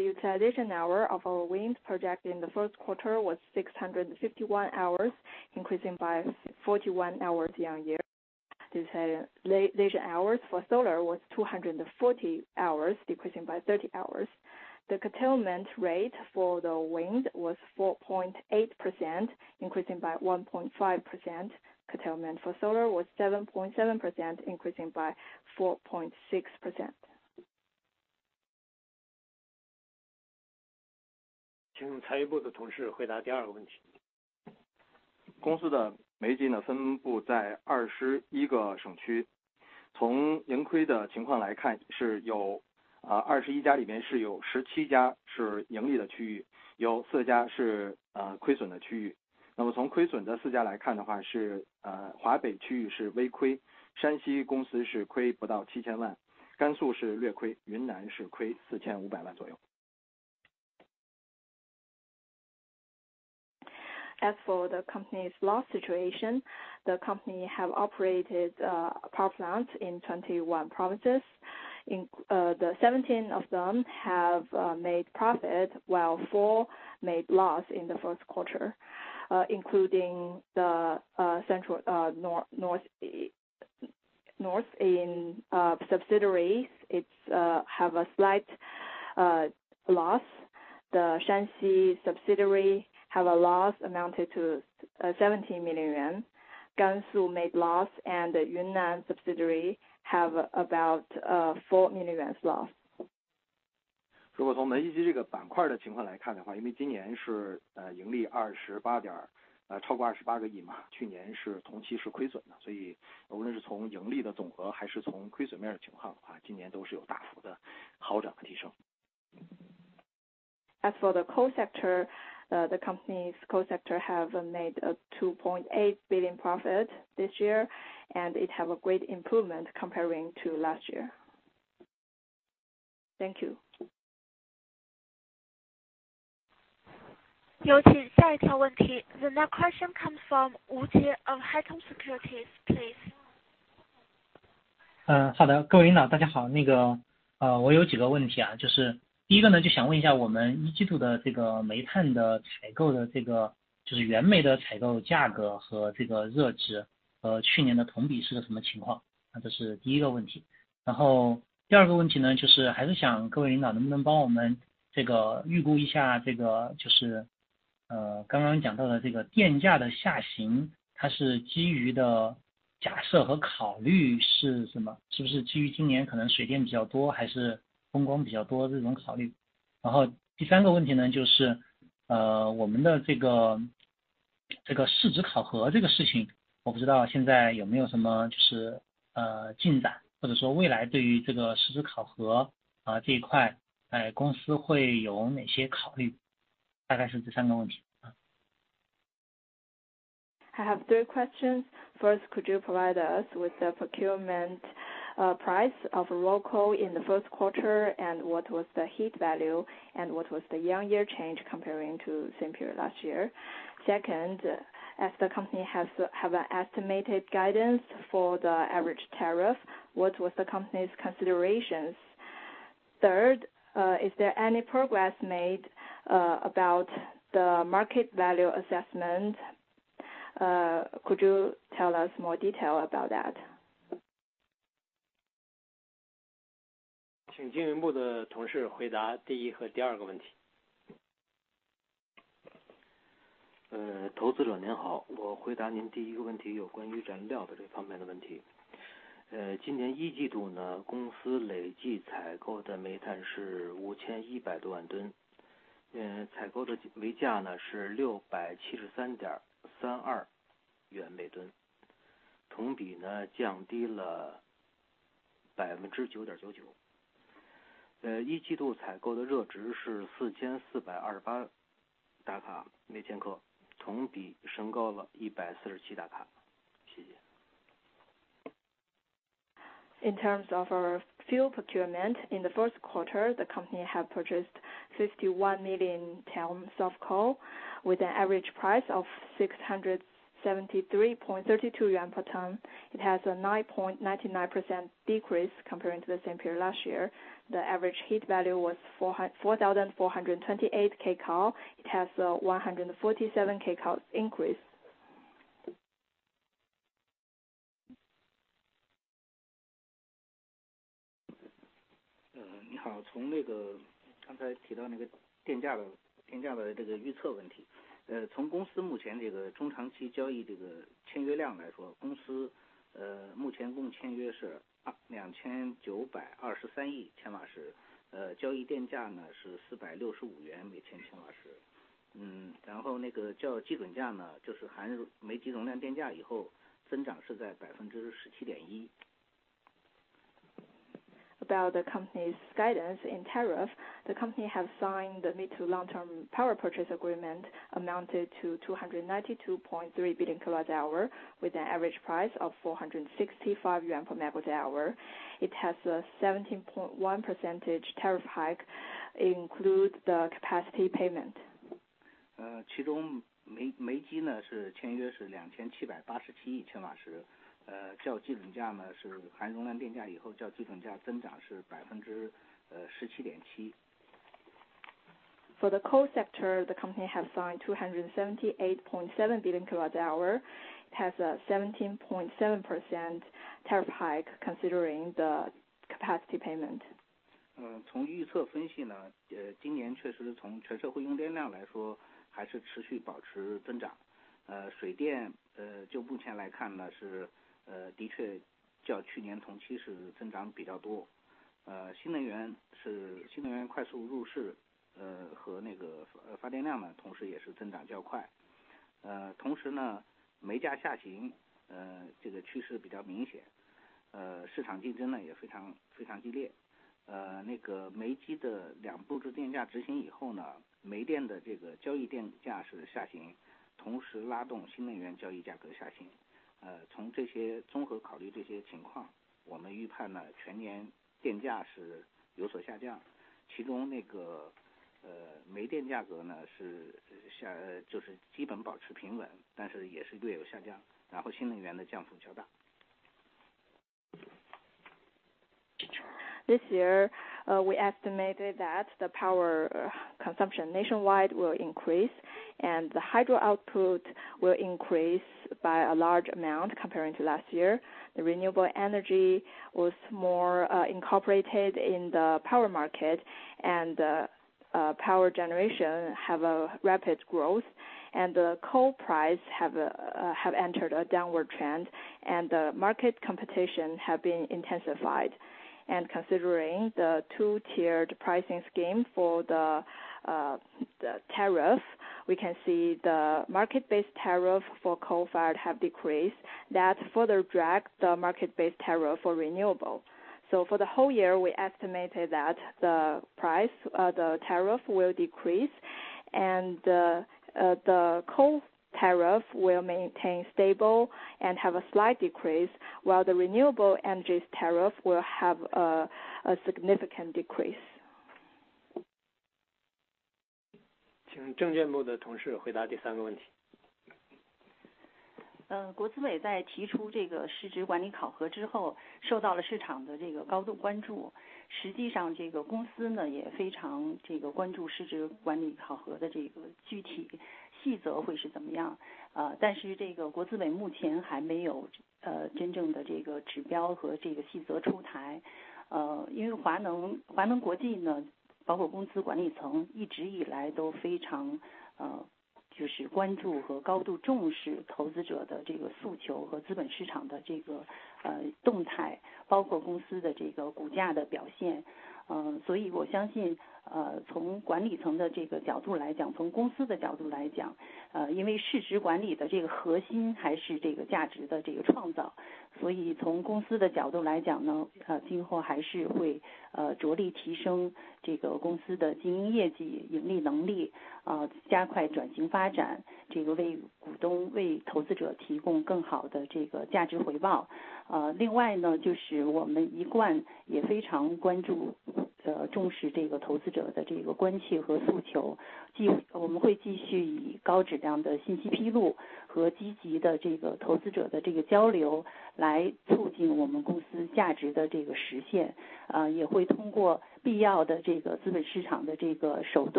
utilization hour of our wind project in the first quarter was 651 hours, increasing by 41 hours year-on-year. The utilization hours for solar was 240 hours, decreasing by 30 hours. The curtailment rate for the wind was 4.8%, increasing by 1.5%. Curtailment for solar was 7.7%, increasing by 4.6%. 请财务部的同事回答第二个问题。公司的煤机呢，分布在21个省区。从盈亏的情况来看，是有21家里面是有17家是盈利的区域，有4家是亏损的区域。那么从亏损的4家来看的话，是华北区域是微亏，山西公司是亏不到CNY 70 million，甘肃是略亏，云南是亏CNY 45 million左右。As for the company's loss situation, the company have operated power plants in 21 provinces, in the 17 of them have made profit, while four made loss in the first quarter, including the central north in subsidiaries, it's have a slight loss. The Shanxi subsidiary have a loss amounted to 17 million yuan. Gansu made loss and Yunnan subsidiary have about 4 million yuan loss. 如果从煤机这个板块的情况来看的话，因为今年盈利CNY 28亿，超过CNY 28个亿嘛，去年同期是亏损的。所以无论是从盈利的总额还是从亏损面的情况来看，今年都是有大幅的好转和提升。As for the coal sector, the company's coal sector have made a 2.8 billion profit this year, and it have a great improvement comparing to last year. Thank you. 有请下一条问题，The next question comes from Wu Jie of Haitong Securities, please. I have three questions. First, could you provide us with the procurement price of raw coal in the first quarter, and what was the heat value and what was the year-on-year change comparing to same period last year? Second, as the company has, have an estimated guidance for the average tariff, what was the company's considerations? Third, is there any progress made about the market value assessment? Could you tell us more detail about that? 请经营部的同事回答第一个和第二个问题。投资者，您好，我回答您第一个问题，关于原料的这方面的问 题。公司累计采购的煤炭是5,100多万吨，采购的煤价呢，是673.32元每吨，同比呢，降低了9.99%。一季度采购的热值是4,428大卡每千克，同比升高了147大卡，谢谢。In terms of our fuel procurement. In the first quarter, the company have purchased 51 million tons of coal, with an average price of 673.32 yuan per ton. It has a 9.99% decrease comparing to the same period last year. The average heat value was 4,428 kcal. It has a 147 kcal increase. About the company's guidance in tariff. The company have signed the mid to long term power purchase agreement amounted to 292.3 billion kWh, with an average price of 465 yuan per MWh. It has a 17.1% tariff hike include the capacity payment. 其中煤，煤机呢，是签约2,787亿kWh，较基准价呢，是含容量电价以后，较基准价增长是17.7%。For the coal sector, the company has signed 278.7 billion kWh. It has a 17.7% tariff hike considering the capacity payment. This year, we estimated that the power consumption nationwide will increase, and the hydro output will increase by a large amount comparing to last year. The renewable energy was more incorporated in the power market, and the power generation have a rapid growth, and the coal price have entered a downward trend, and the market competition have been intensified. Considering the two-tiered pricing scheme for the tariff, we can see the market-based tariff for coal-fired have decreased. That further drag the market-based tariff for renewable. So for the whole year, we estimated that the price, the tariff will decrease, and the coal tariff will maintain stable and have a slight decrease, while the renewable energy tariff will have a significant decrease. 请证券部的同事回答第三个问题。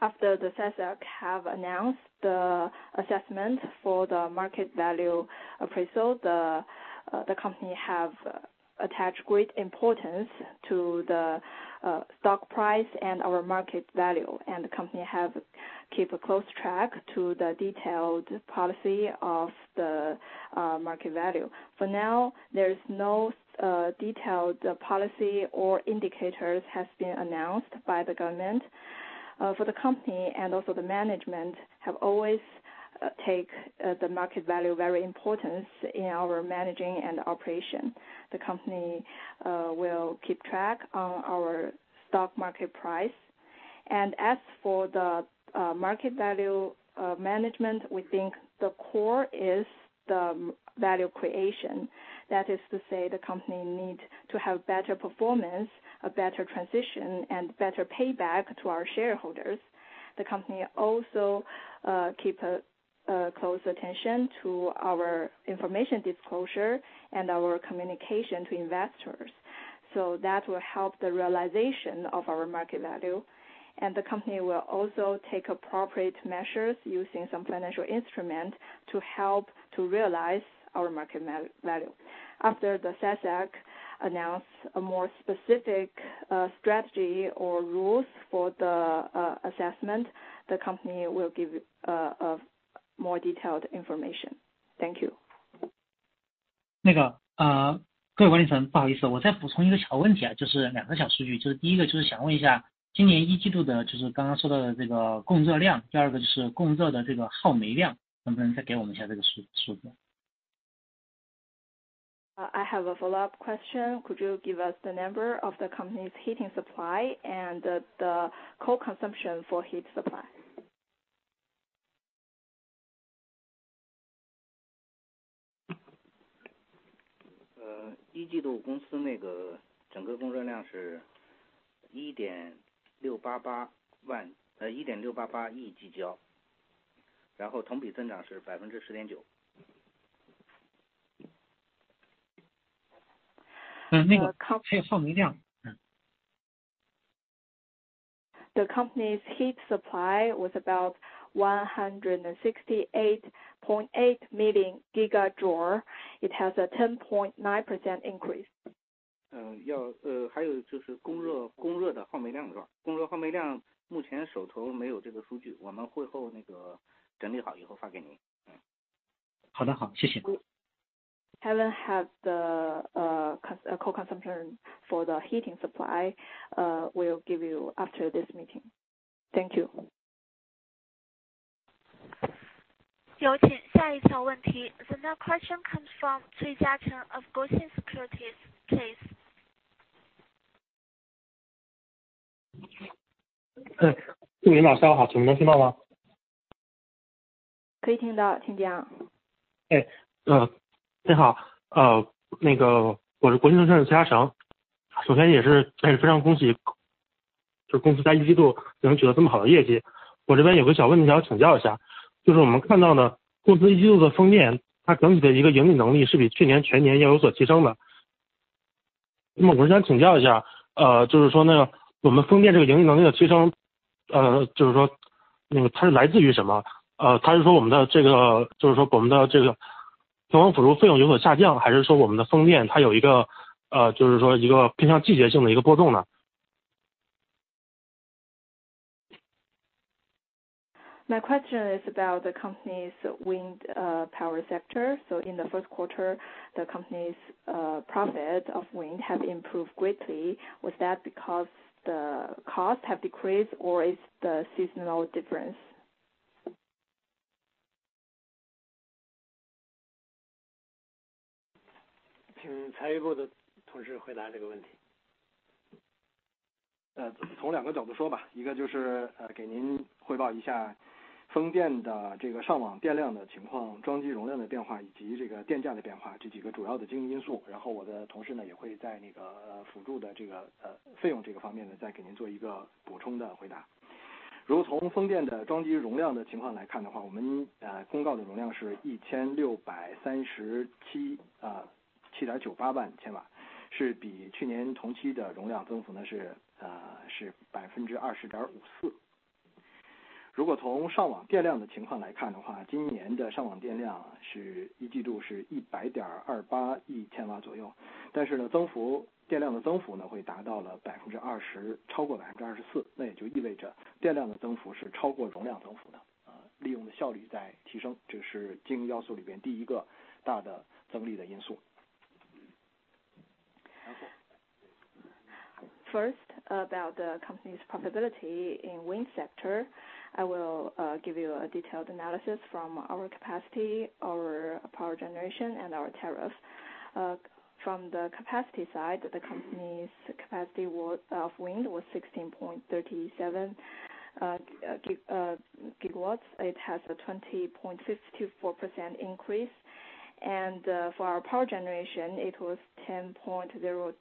...After the SASAC have announced the assessment for the market value appraisal, the company have attached great importance to the stock price and our market value, and the company have keep a close track to the detailed policy of the market value. For now, there is no detailed policy or indicators has been announced by the government. For the company and also the management have always take the market value very importance in our managing and operation. The company will keep track on our stock market price. And as for the market value management, we think the core is the value creation. That is to say, the company need to have better performance, a better transition, and better payback to our shareholders. The company also keep a close attention to our information disclosure and our communication to investors, so that will help the realization of our market value. The company will also take appropriate measures using some financial instrument to help to realize our market value. After the SASAC announce a more specific strategy or rules for the assessment, the company will give more detailed information. Thank you. 各位分析师，不好意思，我再补充一个问题，就是两个小数据，就是第一个就是想问一下今年一季度的，就是刚刚说到的这个供热量，第二个就是供热的这个耗煤量，能不能再给我们一下这个数据？ I have a follow-up question. Could you give us the number of the company's heating supply and the coal consumption for heat supply? 一季度公司那个整个供热量是1.688万，1.688亿汽焦，然后同比增长是10.9%。那个还有耗煤量。The company's heat supply was about 168.8 million gigajoule. It has a 10.9% increase. 要，还有就是供热，供热的耗煤量是吧？供热耗煤量目前手头没有这个数据，我们会后那个整理好以后发给您。好的，好，谢谢。Haven't had the coal consumption for the heating supply. We'll give you after this meeting. Thank you. 有请下一条问题。The next question comes from Cui Jiacheng of Guosen Securities, please. 哎，祝您晚上好，能不能听到吗？ 可以听到，请讲。你好，那个我是国信证券的崔嘉成，首先也是还是非常恭喜，就公司在 My question is about the company's wind power sector. So in the first quarter, the company's profit of wind have improved greatly. Was that because the costs have decreased or it's the seasonal difference? 请财务部的同事回答这个问题。First, about the company's profitability in wind sector, I will give you a detailed analysis from our capacity, our power generation, and our tariff. From the capacity side, the company's capacity of wind was 16.37 GW. It has a 20.64% increase. And for our power generation, it was 10.028 billion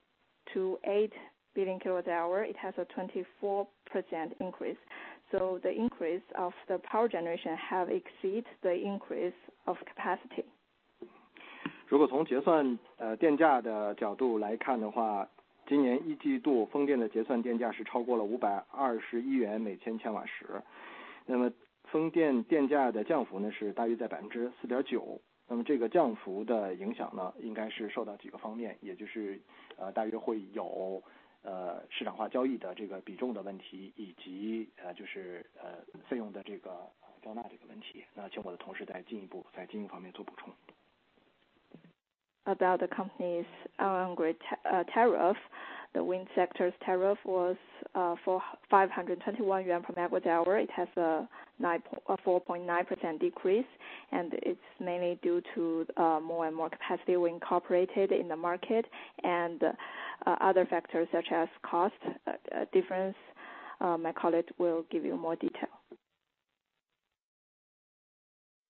kWh. It has a 24% increase. So the increase of the power generation have exceeded the increase of capacity.... 如果从结算，电价的角度来看的话，今年一季度风电的结算电价是超过了CNY 521每千瓦时。那么风电电价的降幅呢，是大约在4.9%，那么这个降幅的影响呢，应该是受到几个方面，也就是大约会有，市场化交易的这个比重的问题，以及就是，费用的这个加大这个问题，那请我的同事进一步在经营方面做补充。About the company's on-grid tariff. The wind sector's tariff was 521 yuan per megawatt-hour. It has a 4.9% decrease, and it's mainly due to more and more capacity incorporated in the market and other factors such as cost difference. My colleague will give you more detail.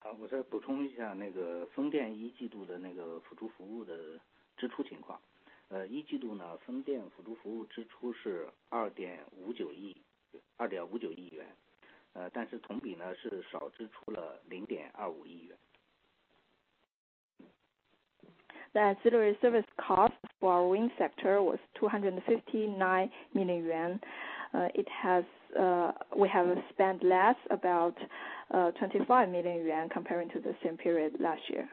好，我再补充一下，那个风电一季度的那个辅助服务的支出情况。一季度呢，风电辅助服务支出是2.59亿，2.59亿元，但是同比呢是少支出了0.25亿元。The ancillary service cost for wind sector was 259 million yuan. It has, we have spent less about 25 million yuan comparing to the same period last year.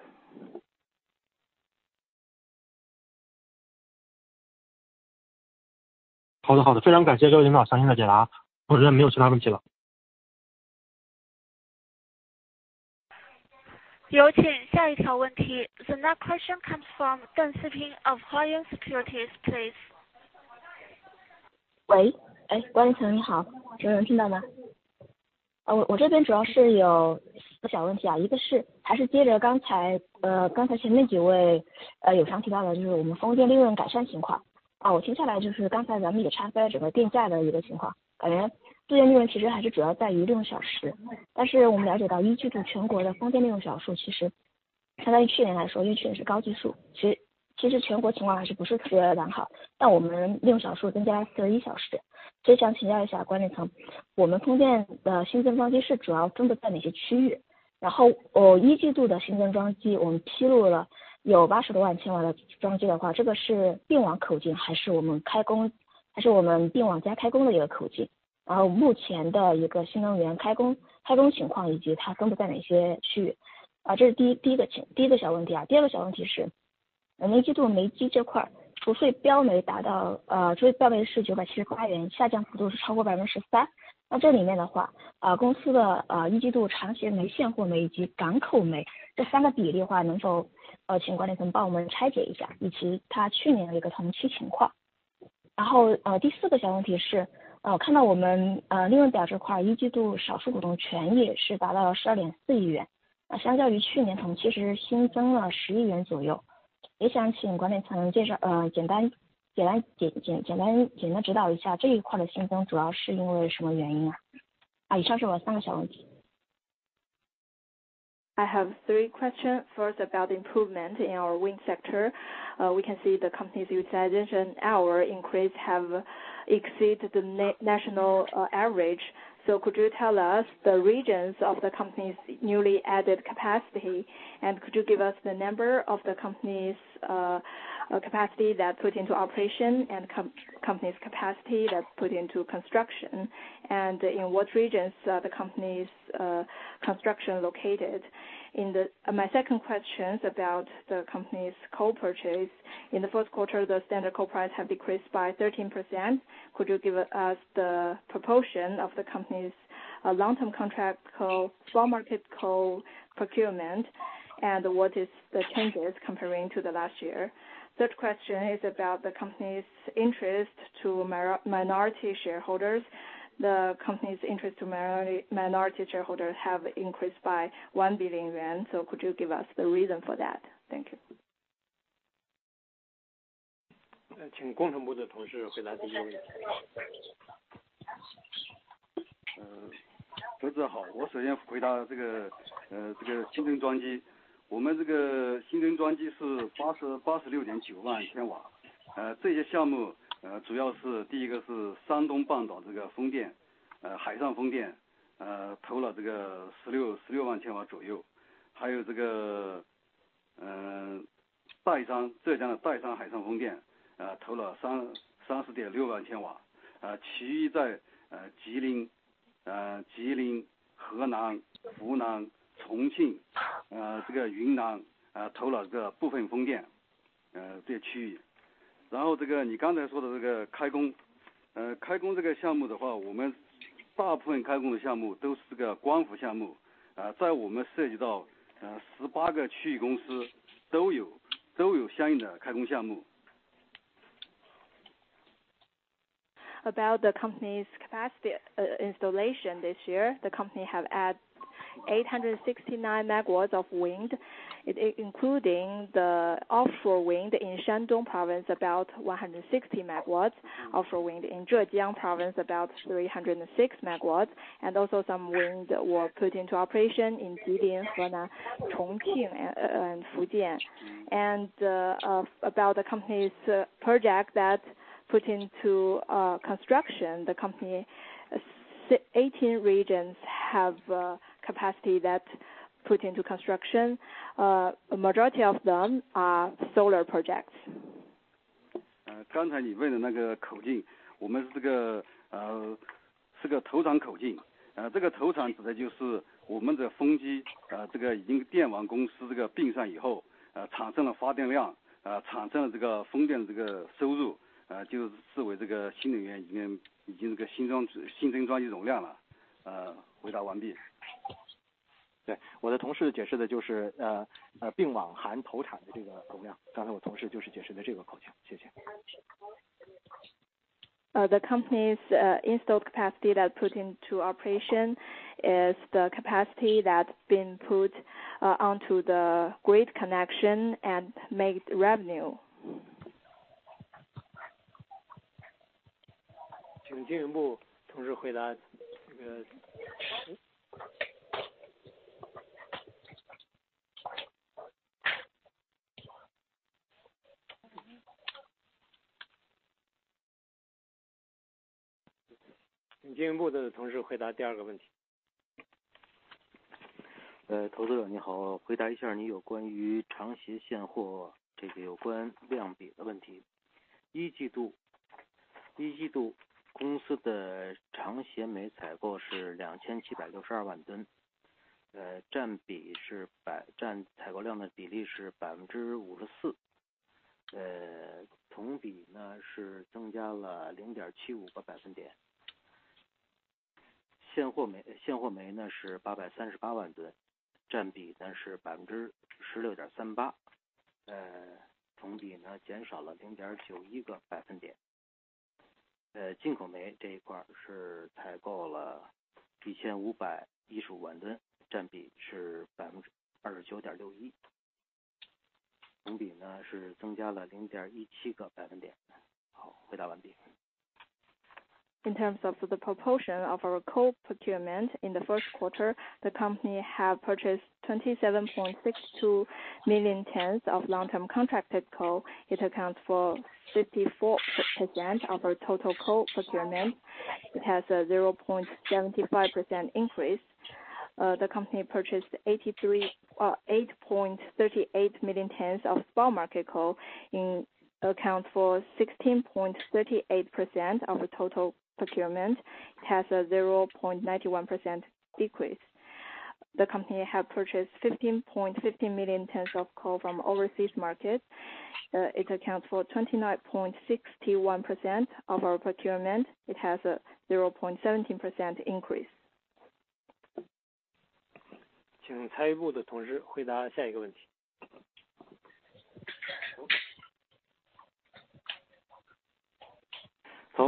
好的，好的，非常感谢各位领导详细的解答，我这边没有其他问题了。有请下一条问题。The next question comes from Deng Siping of Huaying Securities. Please. 978，下降幅度是超过13%。那这里面的话，公司的，一季度长协煤、现货煤以及港口煤这三个比例的话，能否请管理层帮我们拆解一下，以及它去年的一个同期情况。然后，第四个小问题是，看到我们，利润表这块，一季度少数股东权益是达到了CNY 1.24 billion，那相较于去年同期是新增了CNY 1 billion左右。也想请管理层简单指导一下，这一块的新增主要是因为什么原因啊？啊，以上是我的三个小问题。I have three questions, first about the improvement in our wind sector. We can see the company's utilization hour increase have exceeded the national average. So could you tell us the regions of the company's newly added capacity? And could you give us the number of the company's capacity that put into operation and company's capacity that put into construction? And in what regions the company's construction located? My second question is about the company's coal purchase. In the first quarter, the standard coal price have decreased by 13%. Could you give us the proportion of the company's long term contract coal for market coal procurement? And what is the changes comparing to the last year? Third question is about the company's interest to minority shareholders. The company's interest to minority shareholders have increased by 1 billion yuan. So could you give us the reason for that? Thank you. 请工程部的同事回来回答。About the company's capacity, installation this year, the company have add 869 MW of wind, including the offshore wind in Shandong Province, about 160 MW, offshore wind in Zhejiang Province about 306 MW, and also some wind were put into operation in Jilin, Hunan, Chongqing and, and Fujian. And of about the company's project that put into construction, the company eighteen regions have capacity that put into construction. Majority of them are solar projects. 刚才你问的那个口径，我们这个，是个投产口径。这个投产指的就是我们的风机，这个已经电网公司这个并上以后，产生了发电量，产生了这个风电的这个收入，就视为这个新能源已经，已经这个新装新增装机容量了。回答完毕。对，我的同事解释的就是，并网含投产的这个容量，刚才我同事就是解释的这个口径，谢谢。The company's installed capacity that put into operation is the capacity that's been put onto the grid connection and make revenue. 请经营部同事回答这个。请经营部的同事回答第二个问题。Investor, hello, answer your question about the long-term contracted spot this related volume ratio. First quarter, first quarter company's long-term contracted coal procurement is 2,762 ten thousand tons, proportion is -- proportion of procurement volume is 54%, year-over-year is increased by 0.75 percentage points. Spot coal, spot coal is 838 ten thousand tons, proportion then is 16.38%, year-over-year decreased by 0.91 percentage points. Imported coal this part is procured 1,515 ten thousand tons, proportion is 29.61%, year-over-year is increased by 0.17 percentage points. Good, answer complete. In terms of the proportion of our coal procurement in the first quarter, the company have purchased 27.62 million tons of long-term contracted coal. It accounts for 54% of our total coal procurement. It has a 0.75% increase. The company purchased 8.38 million tons of spot market coal in account for 16.38% of the total procurement, it has a 0.91% decrease. The company have purchased 15.15 million tons of coal from overseas market. It accounts for 29.61% of our procurement. It has a 0.17% increase. 请财务部的同事回答下一个问题。从少数股东权益增长的情况呢，是超过了CNY 10亿，那这一部分呢，就是主要就是在第一季度的盈利实现的，少数股东的这个占比的部分。The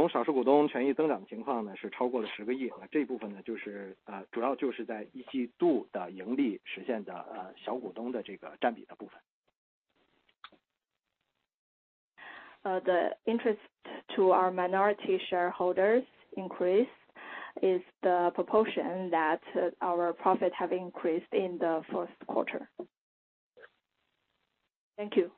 interest to our minority shareholders increase is the proportion that our profit have increased in the first quarter. Thank you。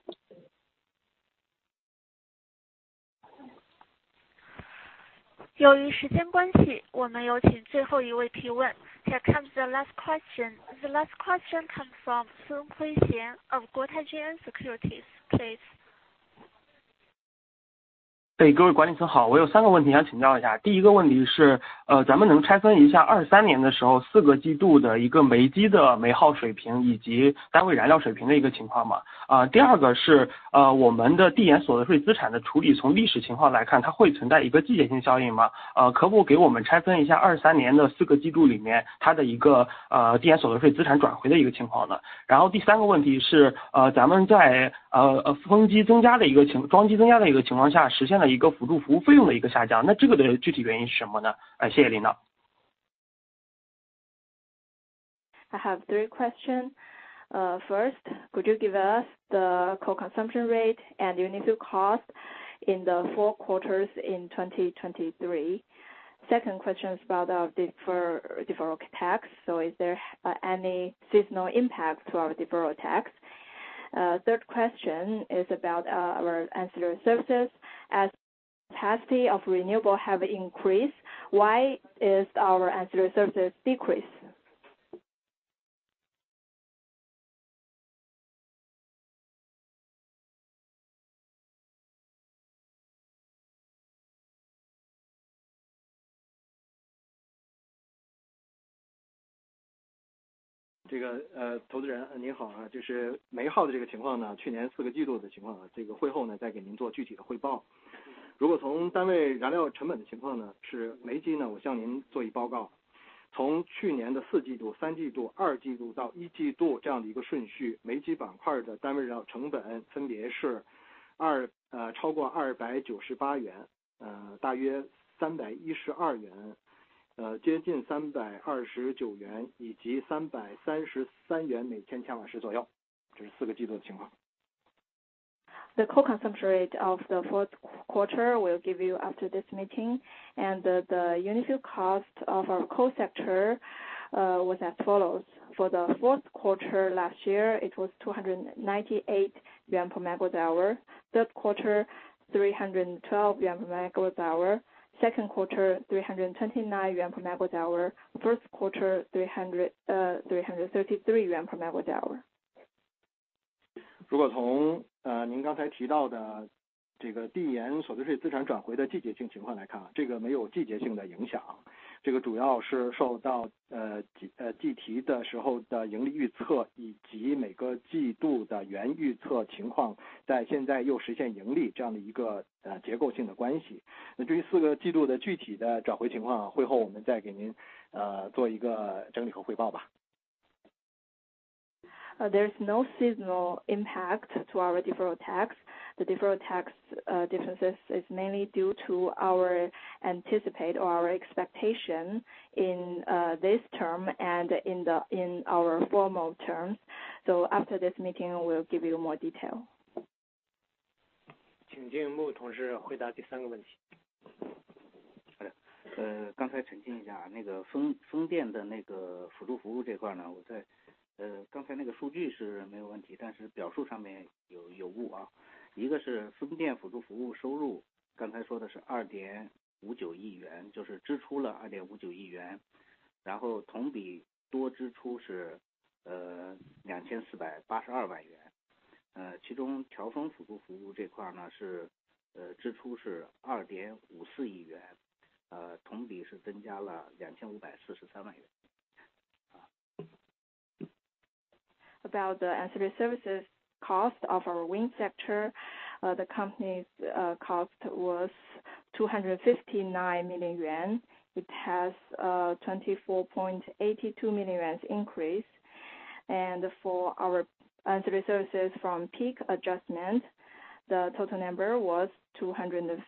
由于时间关系，我们有请最后一位提问。Here comes the last question, the last question comes from Sun Huixian of Guotai Junan Securities, please. I have three questions. First, could you give us the coal consumption rate and unit fuel cost in the four quarters in 2023? Second question is about our deferred tax. So is there any seasonal impact to our deferred tax? Third question is about our ancillary services. As capacity of renewable have increased, why is our ancillary services decrease? 这个，投资人你好，这是煤耗的这个情况呢，去年四个季度的情况，这个会后呢，再给您做具体的汇报。如果从单位燃料成本的情况呢，是煤机呢，我向您作一报告。从去年的四季度、三季度、二季度到一季度这样的一个顺序，煤机板块的单位燃料成本分别是超过 CNY 298，约 CNY 312，接近 CNY 329 以及 CNY 333，每 kWh 左右，这是四个季度的情况。The coal consumption rate of the fourth quarter will give you after this meeting and the unit fuel cost of our coal sector was as follows for the fourth quarter last year, it was 298 yuan per megawatt hour, third quarter 312 yuan per megawatt hour, second quarter 329 yuan per megawatt hour, first quarter 333 yuan per megawatt hour. There's no seasonal impact to our deferred tax. The deferred tax differences is mainly due to our anticipate or our expectation in this term and in our formal terms. So after this meeting, we'll give you more detail. 请建木同事回答第三个问题。哎，刚才澄清一下，那个风电的那个辅助服务这块呢，我在... 刚才那个数据是没有问题，但是表述上面有误啊。一个是风电辅助服务收入，刚才说的是CNY 2.59亿元，就是支出了CNY 2.59亿元，然后同比多支出是CNY 2,482万元，其中调峰辅助服务这块呢，是，支出是CNY 2.54亿元，同比是增加了CNY 2,543万元。About the ancillary services cost of our wind sector, the company's cost was 259 million yuan. It has 24.82 million yuan increase. And for our ancillary services from peak adjustment, the total number was 206-